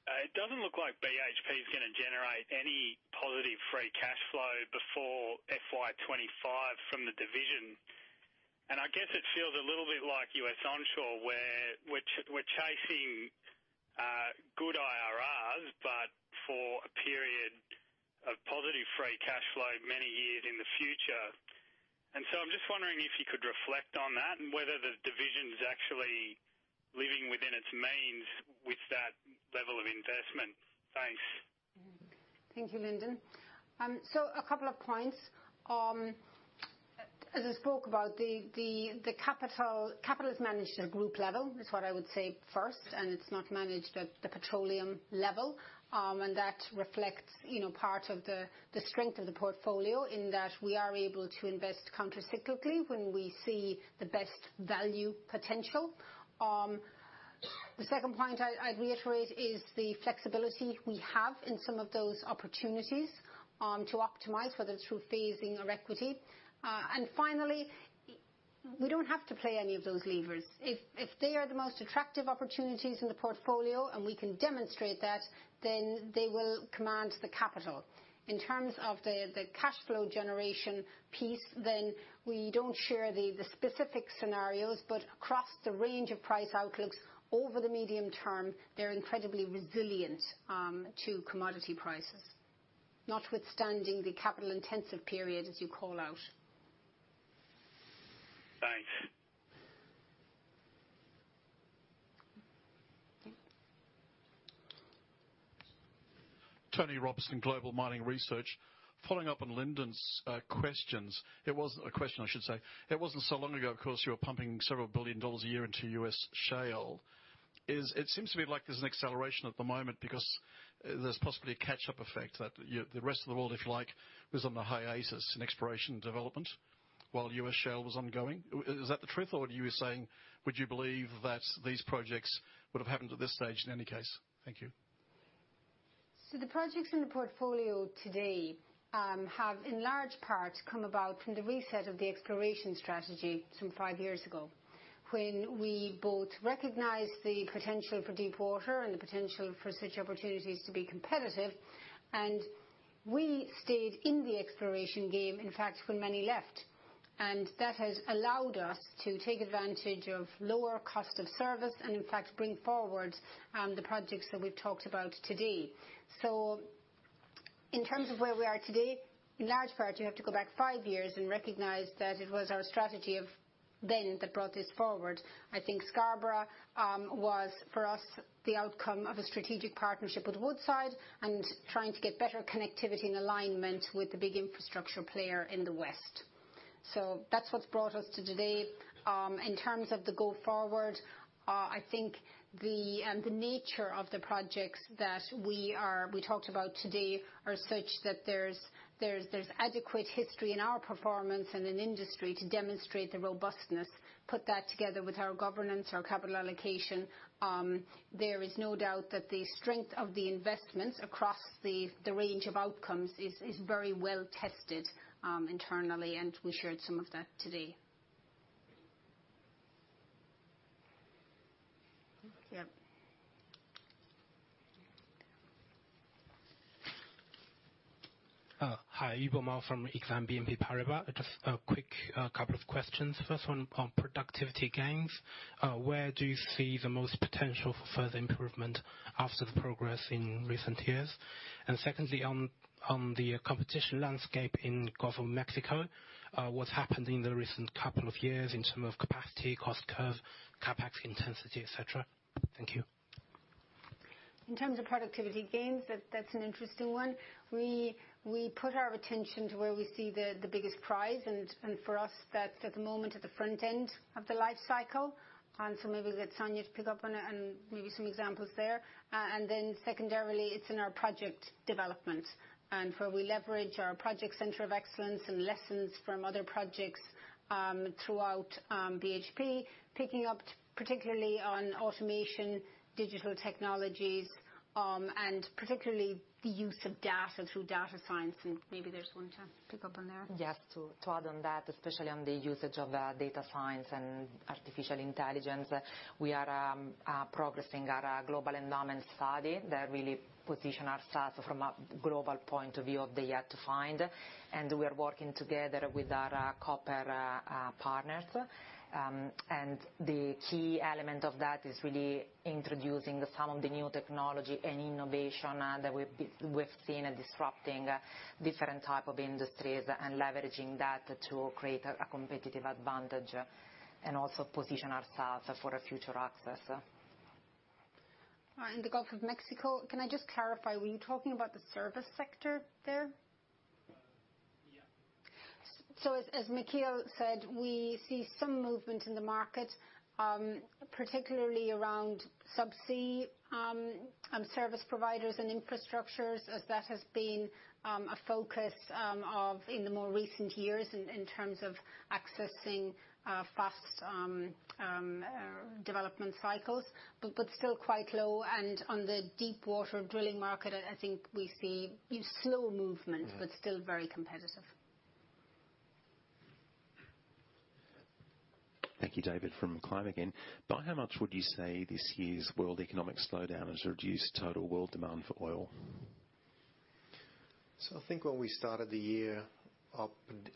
it doesn't look like BHP is going to generate any positive free cash flow before FY 2025 from the division. I guess it feels a little bit like U.S. onshore, where we're chasing good IRRs, but for a period of positive free cash flow many years in the future. I'm just wondering if you could reflect on that and whether the division is actually living within its means with that level of investment. Thanks. Thank you, Lyndon. A couple of points. As I spoke about, the capital is managed at group level, is what I would say first, and it's not managed at the petroleum level. That reflects part of the strength of the portfolio in that we are able to invest counter-cyclically when we see the best value potential. The second point I'd reiterate is the flexibility we have in some of those opportunities to optimize, whether through phasing or equity. Finally, we don't have to play any of those levers. If they are the most attractive opportunities in the portfolio and we can demonstrate that, then they will command the capital. In terms of the cash flow generation piece, then we don't share the specific scenarios, but across the range of price outlooks over the medium-term, they're incredibly resilient to commodity prices. Notwithstanding the capital-intensive period as you call out. Thanks. Tony Robson, Global Mining Research. Following up on Lyndon's questions, it wasn't a question I should say. It wasn't so long ago, of course, you were pumping several billion dollars a year into U.S. shale. It seems to me like there's an acceleration at the moment because there's possibly a catch-up effect that the rest of the world, if you like, was on a hiatus in exploration development while U.S. shale was ongoing. Is that the truth, or what you were saying, would you believe that these projects would have happened at this stage in any case? Thank you. The projects in the portfolio today have in large part come about from the reset of the exploration strategy some five years ago, when we both recognized the potential for deep water and the potential for such opportunities to be competitive. We stayed in the exploration game, in fact, when many left. That has allowed us to take advantage of lower cost of service and, in fact, bring forward the projects that we've talked about today. In terms of where we are today, in large part, you have to go back five years and recognize that it was our strategy of then that brought this forward. I think Scarborough was, for us, the outcome of a strategic partnership with Woodside and trying to get better connectivity and alignment with the big infrastructure player in the West. That's what's brought us to today. In terms of the go forward, I think the nature of the projects that we talked about today are such that there is adequate history in our performance and in industry to demonstrate the robustness. Put that together with our governance, our capital allocation, there is no doubt that the strength of the investments across the range of outcomes is very well tested internally, and we shared some of that today. Yeah. Hi. Yu Bo Mao from Exane BNP Paribas. Just a quick couple of questions. First one on productivity gains. Where do you see the most potential for further improvement after the progress in recent years? Secondly, on the competition landscape in Gulf of Mexico, what's happened in the recent couple of years in terms of capacity, cost curve, CapEx intensity, etc? Thank you. In terms of productivity gains, that's an interesting one. We put our attention to where we see the biggest prize. For us, that's at the moment at the front end of the life cycle. Maybe we'll get Sonia to pick up on it and maybe some examples there. Secondarily, it's in our project development and where we leverage our project center of excellence and lessons from other projects throughout BHP, picking up particularly on automation, digital technologies, and particularly the use of data through data science. Maybe there's one to pick up on there. Yes. To add on that, especially on the usage of data science and artificial intelligence, we are progressing our Global Endowment Study that really position ourselves from a global point of view of the yet to find. We are working together with our copper partners. The key element of that is really introducing some of the new technology and innovation that we've seen disrupting different type of industries and leveraging that to create a competitive advantage and also position ourselves for a future access. In the Gulf of Mexico, can I just clarify, were you talking about the service sector there? Yeah. As Michiel said, we see some movement in the market, particularly around subsea service providers and infrastructures as that has been a focus in the more recent years in terms of accessing fast development cycles, but still quite low. On the deepwater drilling market, I think we see slow movement. Still very competitive. Thank you. David from Clime again. By how much would you say this year's world economic slowdown has reduced total world demand for oil? I think when we started the year,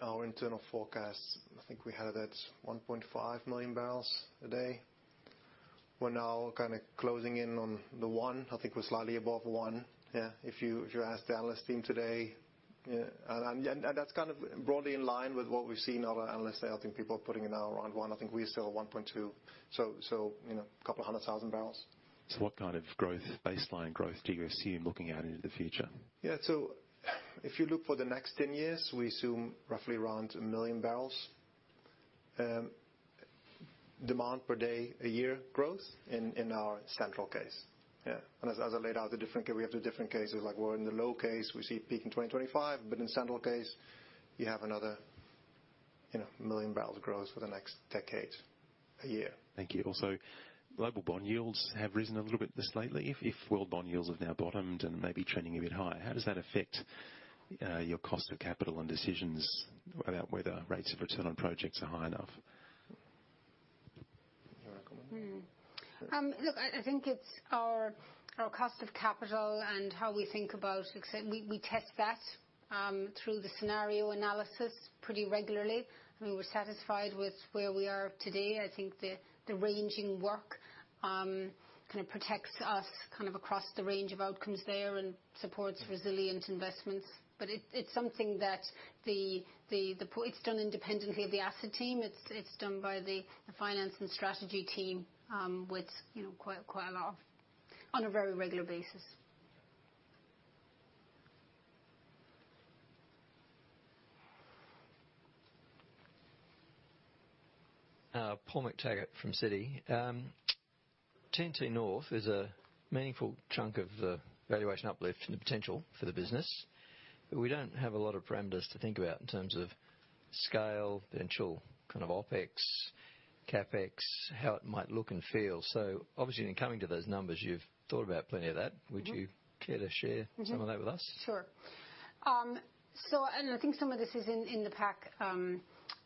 our internal forecast, I think we had it at 1.5 million barrels a day. We're now kind of closing in on the one. I think we're slightly above one. Yeah. If you ask the analyst team today. Yeah. That's kind of broadly in line with what we've seen other analysts say. I think people are putting it now around one. I think we are still at 1.2, so a couple of 100,000 barrels. What kind of baseline growth do you assume looking out into the future? If you look for the next 10 years, we assume roughly around 1 million barrels demand per day, a year growth in our central case. As I laid out the different case, we have the different cases. Where in the low case, we see peak in 2025, in central case you have another 1 million barrels growth for the next decade, a year. Thank you. Global bond yields have risen a little bit just lately. If world bond yields have now bottomed and may be trending a bit higher, how does that affect your cost of capital and decisions about whether rates of return on projects are high enough? You want to comment? Look, I think it's our cost of capital and how we think about. We test that through the scenario analysis pretty regularly. We're satisfied with where we are today. I think the ranging work kind of protects us across the range of outcomes there and supports resilient investments. It's something that it's done independently of the asset team. It's done by the finance and strategy team, with quite a lot on a very regular basis. Paul McTaggart from Citi. T&T North is a meaningful chunk of the valuation uplift and the potential for the business. We don't have a lot of parameters to think about in terms of scale, potential OpEx, CapEx, how it might look and feel. Obviously in coming to those numbers, you've thought about plenty of that. Would you care to share some of that with us? Sure. I think some of this is in the pack,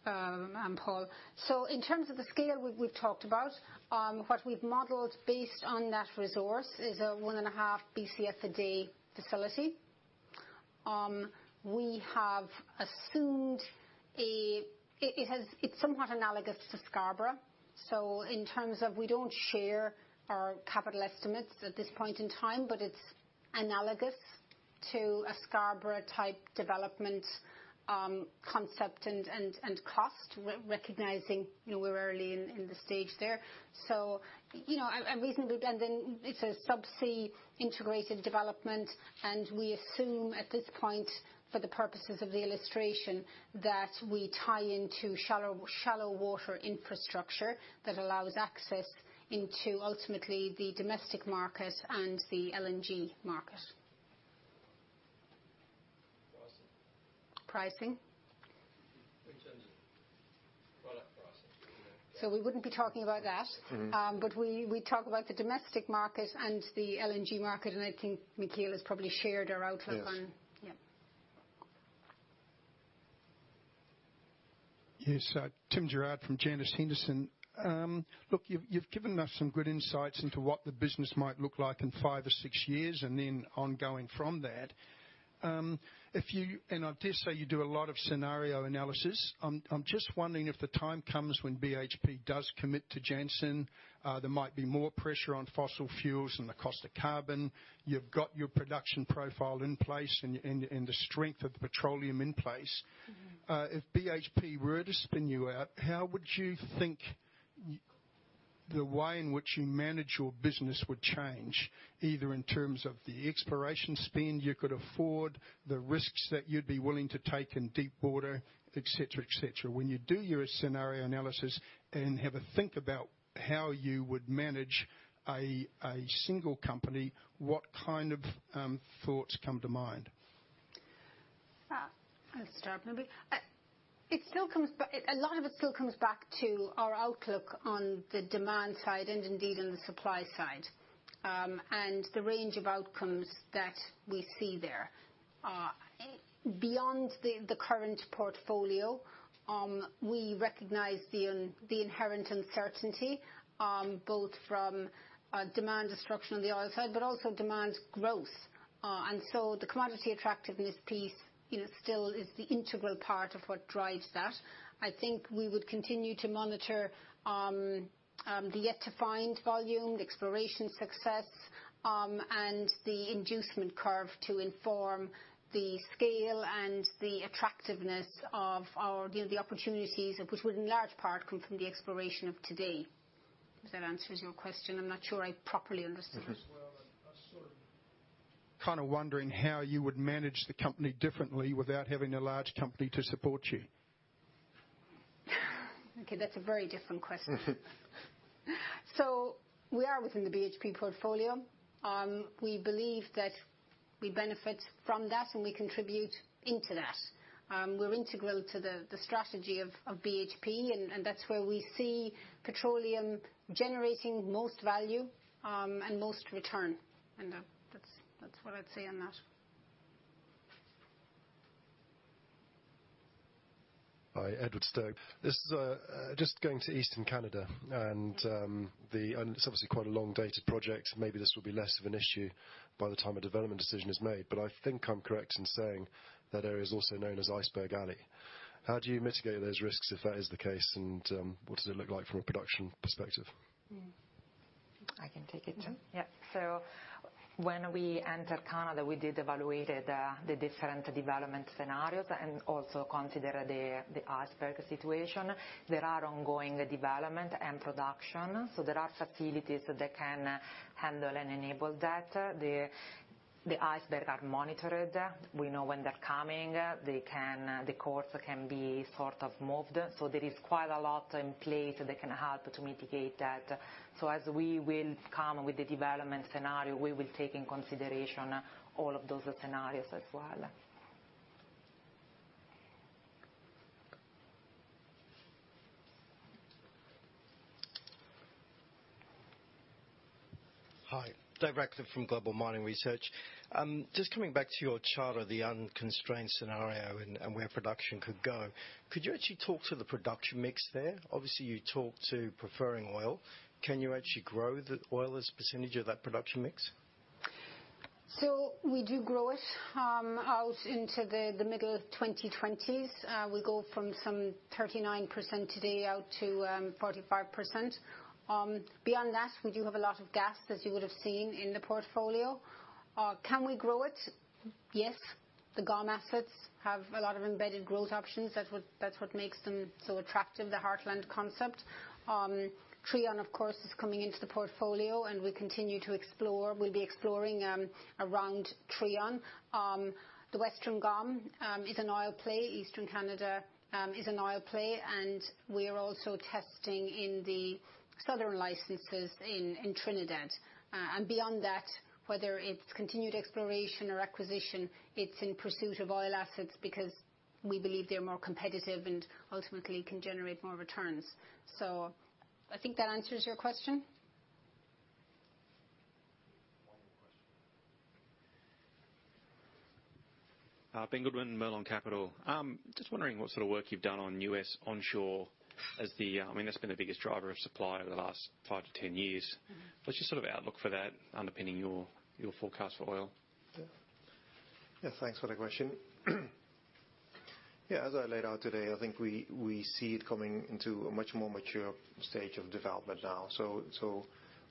Paul. In terms of the scale we've talked about, what we've modeled based on that resource is a 1.5 BCFD facility. We have assumed it's somewhat analogous to Scarborough. In terms of we don't share our capital estimates at this point in time, but it's analogous to a Scarborough type development, concept and cost, recognizing we're early in the stage there. Then it's a subsea integrated development, and we assume at this point, for the purposes of the illustration, that we tie into shallow water infrastructure that allows access into ultimately the domestic market and the LNG market. Pricing. Pricing. In terms of product pricing. We wouldn't be talking about that. We talk about the domestic market and the LNG market, and I think Michiel's probably shared our outlook. Yes. Yeah. Yes. Tim Gerrard from Janus Henderson. Look, you've given us some good insights into what the business might look like in five or six years, then ongoing from that. I dare say you do a lot of scenario analysis. I'm just wondering if the time comes when BHP does commit to Jansen, there might be more pressure on fossil fuels and the cost of carbon. You've got your production profile in place and the strength of the petroleum in place. If BHP were to spin you out, how would you think the way in which you manage your business would change, either in terms of the exploration spend you could afford, the risks that you'd be willing to take in deep water, etc. When you do your scenario analysis and have a think about how you would manage a single company, what kind of thoughts come to mind? I'll start maybe. A lot of it still comes back to our outlook on the demand side, and indeed on the supply side, and the range of outcomes that we see there. Beyond the current portfolio, we recognize the inherent uncertainty, both from demand destruction on the oil side, but also demand growth. The commodity attractiveness piece still is the integral part of what drives that. I think we would continue to monitor the yet to find volume, the exploration success, and the inducement curve to inform the scale and the attractiveness of the opportunities, which would in large part come from the exploration of today. If that answers your question. I'm not sure I properly understood it. Mm-hmm. Well, I was sort of wondering how you would manage the company differently without having a large company to support you. Okay. That's a very different question. We are within the BHP portfolio. We believe that we benefit from that, and we contribute into that. We're integral to the strategy of BHP, and that's where we see petroleum generating most value, and most return. That's what I'd say on that. Hi. Edward Sterck. Just going to Eastern Canada, it's obviously quite a long data project, maybe this will be less of an issue by the time a development decision is made, but I think I'm correct in saying that area is also known as Iceberg Alley. How do you mitigate those risks if that is the case, what does it look like from a production perspective? I can take it. When we entered Canada, we did evaluate the different development scenarios and also consider the iceberg situation. There are ongoing development and production. There are facilities that can handle and enable that. The icebergs are monitored. We know when they're coming. The course can be sort of moved. There is quite a lot in place that can help to mitigate that. As we will come with the development scenario, we will take in consideration all of those scenarios as well. Hi. David Radclyffe from Global Mining Research. Just coming back to your chart of the unconstrained scenario and where production could go. Could you actually talk to the production mix there? Obviously, you talk to preferring oil. Can you actually grow the oil as a percentage of that production mix? We do grow it, out into the middle of 2020s. We go from some 39% today out to 45%. Beyond that, we do have a lot of gas, as you would've seen in the portfolio. Can we grow it? Yes. The GOM assets have a lot of embedded growth options. That's what makes them so attractive, the heartland concept. Trion, of course, is coming into the portfolio, and we continue to explore. We'll be exploring around Trion. The Western GOM is an oil play. Eastern Canada is an oil play, and we are also testing in the southern licenses in Trinidad. Beyond that, whether it's continued exploration or acquisition, it's in pursuit of oil assets because we believe they're more competitive and ultimately can generate more returns. I think that answers your question. Ben Goodwin, Merlon Capital. Just wondering what sort of work you've done on U.S. onshore. That's been the biggest driver of supply over the last 5-10 years. What's your sort of outlook for that underpinning your forecast for oil? Yeah. Thanks for the question. Yeah, as I laid out today, I think we see it coming into a much more mature stage of development now.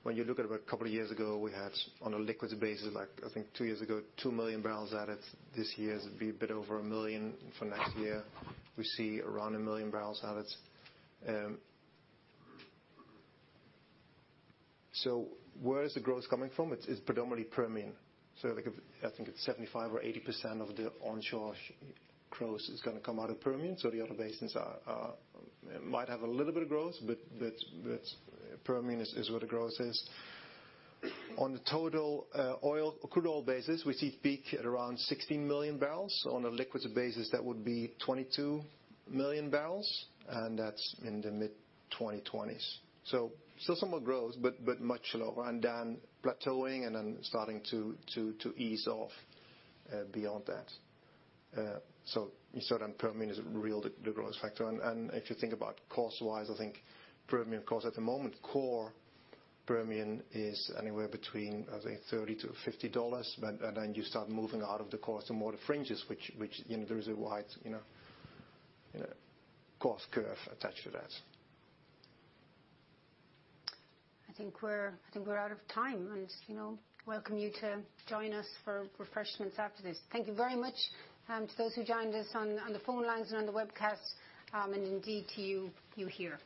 When you look at it, a couple of years ago we had, on a liquids basis, I think two years ago, 2 million barrels added. This year it will be a bit over 1 million. For next year, we see around 1 million barrels added. Where is the growth coming from? It's predominantly Permian. I think it's 75% or 80% of the onshore growth is going to come out of Permian. The other basins might have a little bit of growth, but Permian is where the growth is. On the total crude oil basis, we see peak at around 16 million barrels. On a liquids basis, that would be 22 million barrels, and that's in the mid-2020s. Somewhat growth, but much lower, then plateauing, then starting to ease off beyond that. Permian is really the growth factor. If you think about cost-wise, I think Permian cost at the moment, core Permian is anywhere between, I think, $30 to $50. Then you start moving out of the core to more fringes, there is a wide cost curve attached to that. I think we're out of time, and welcome you to join us for refreshments after this. Thank you very much to those who joined us on the phone lines and on the webcast, indeed to you here.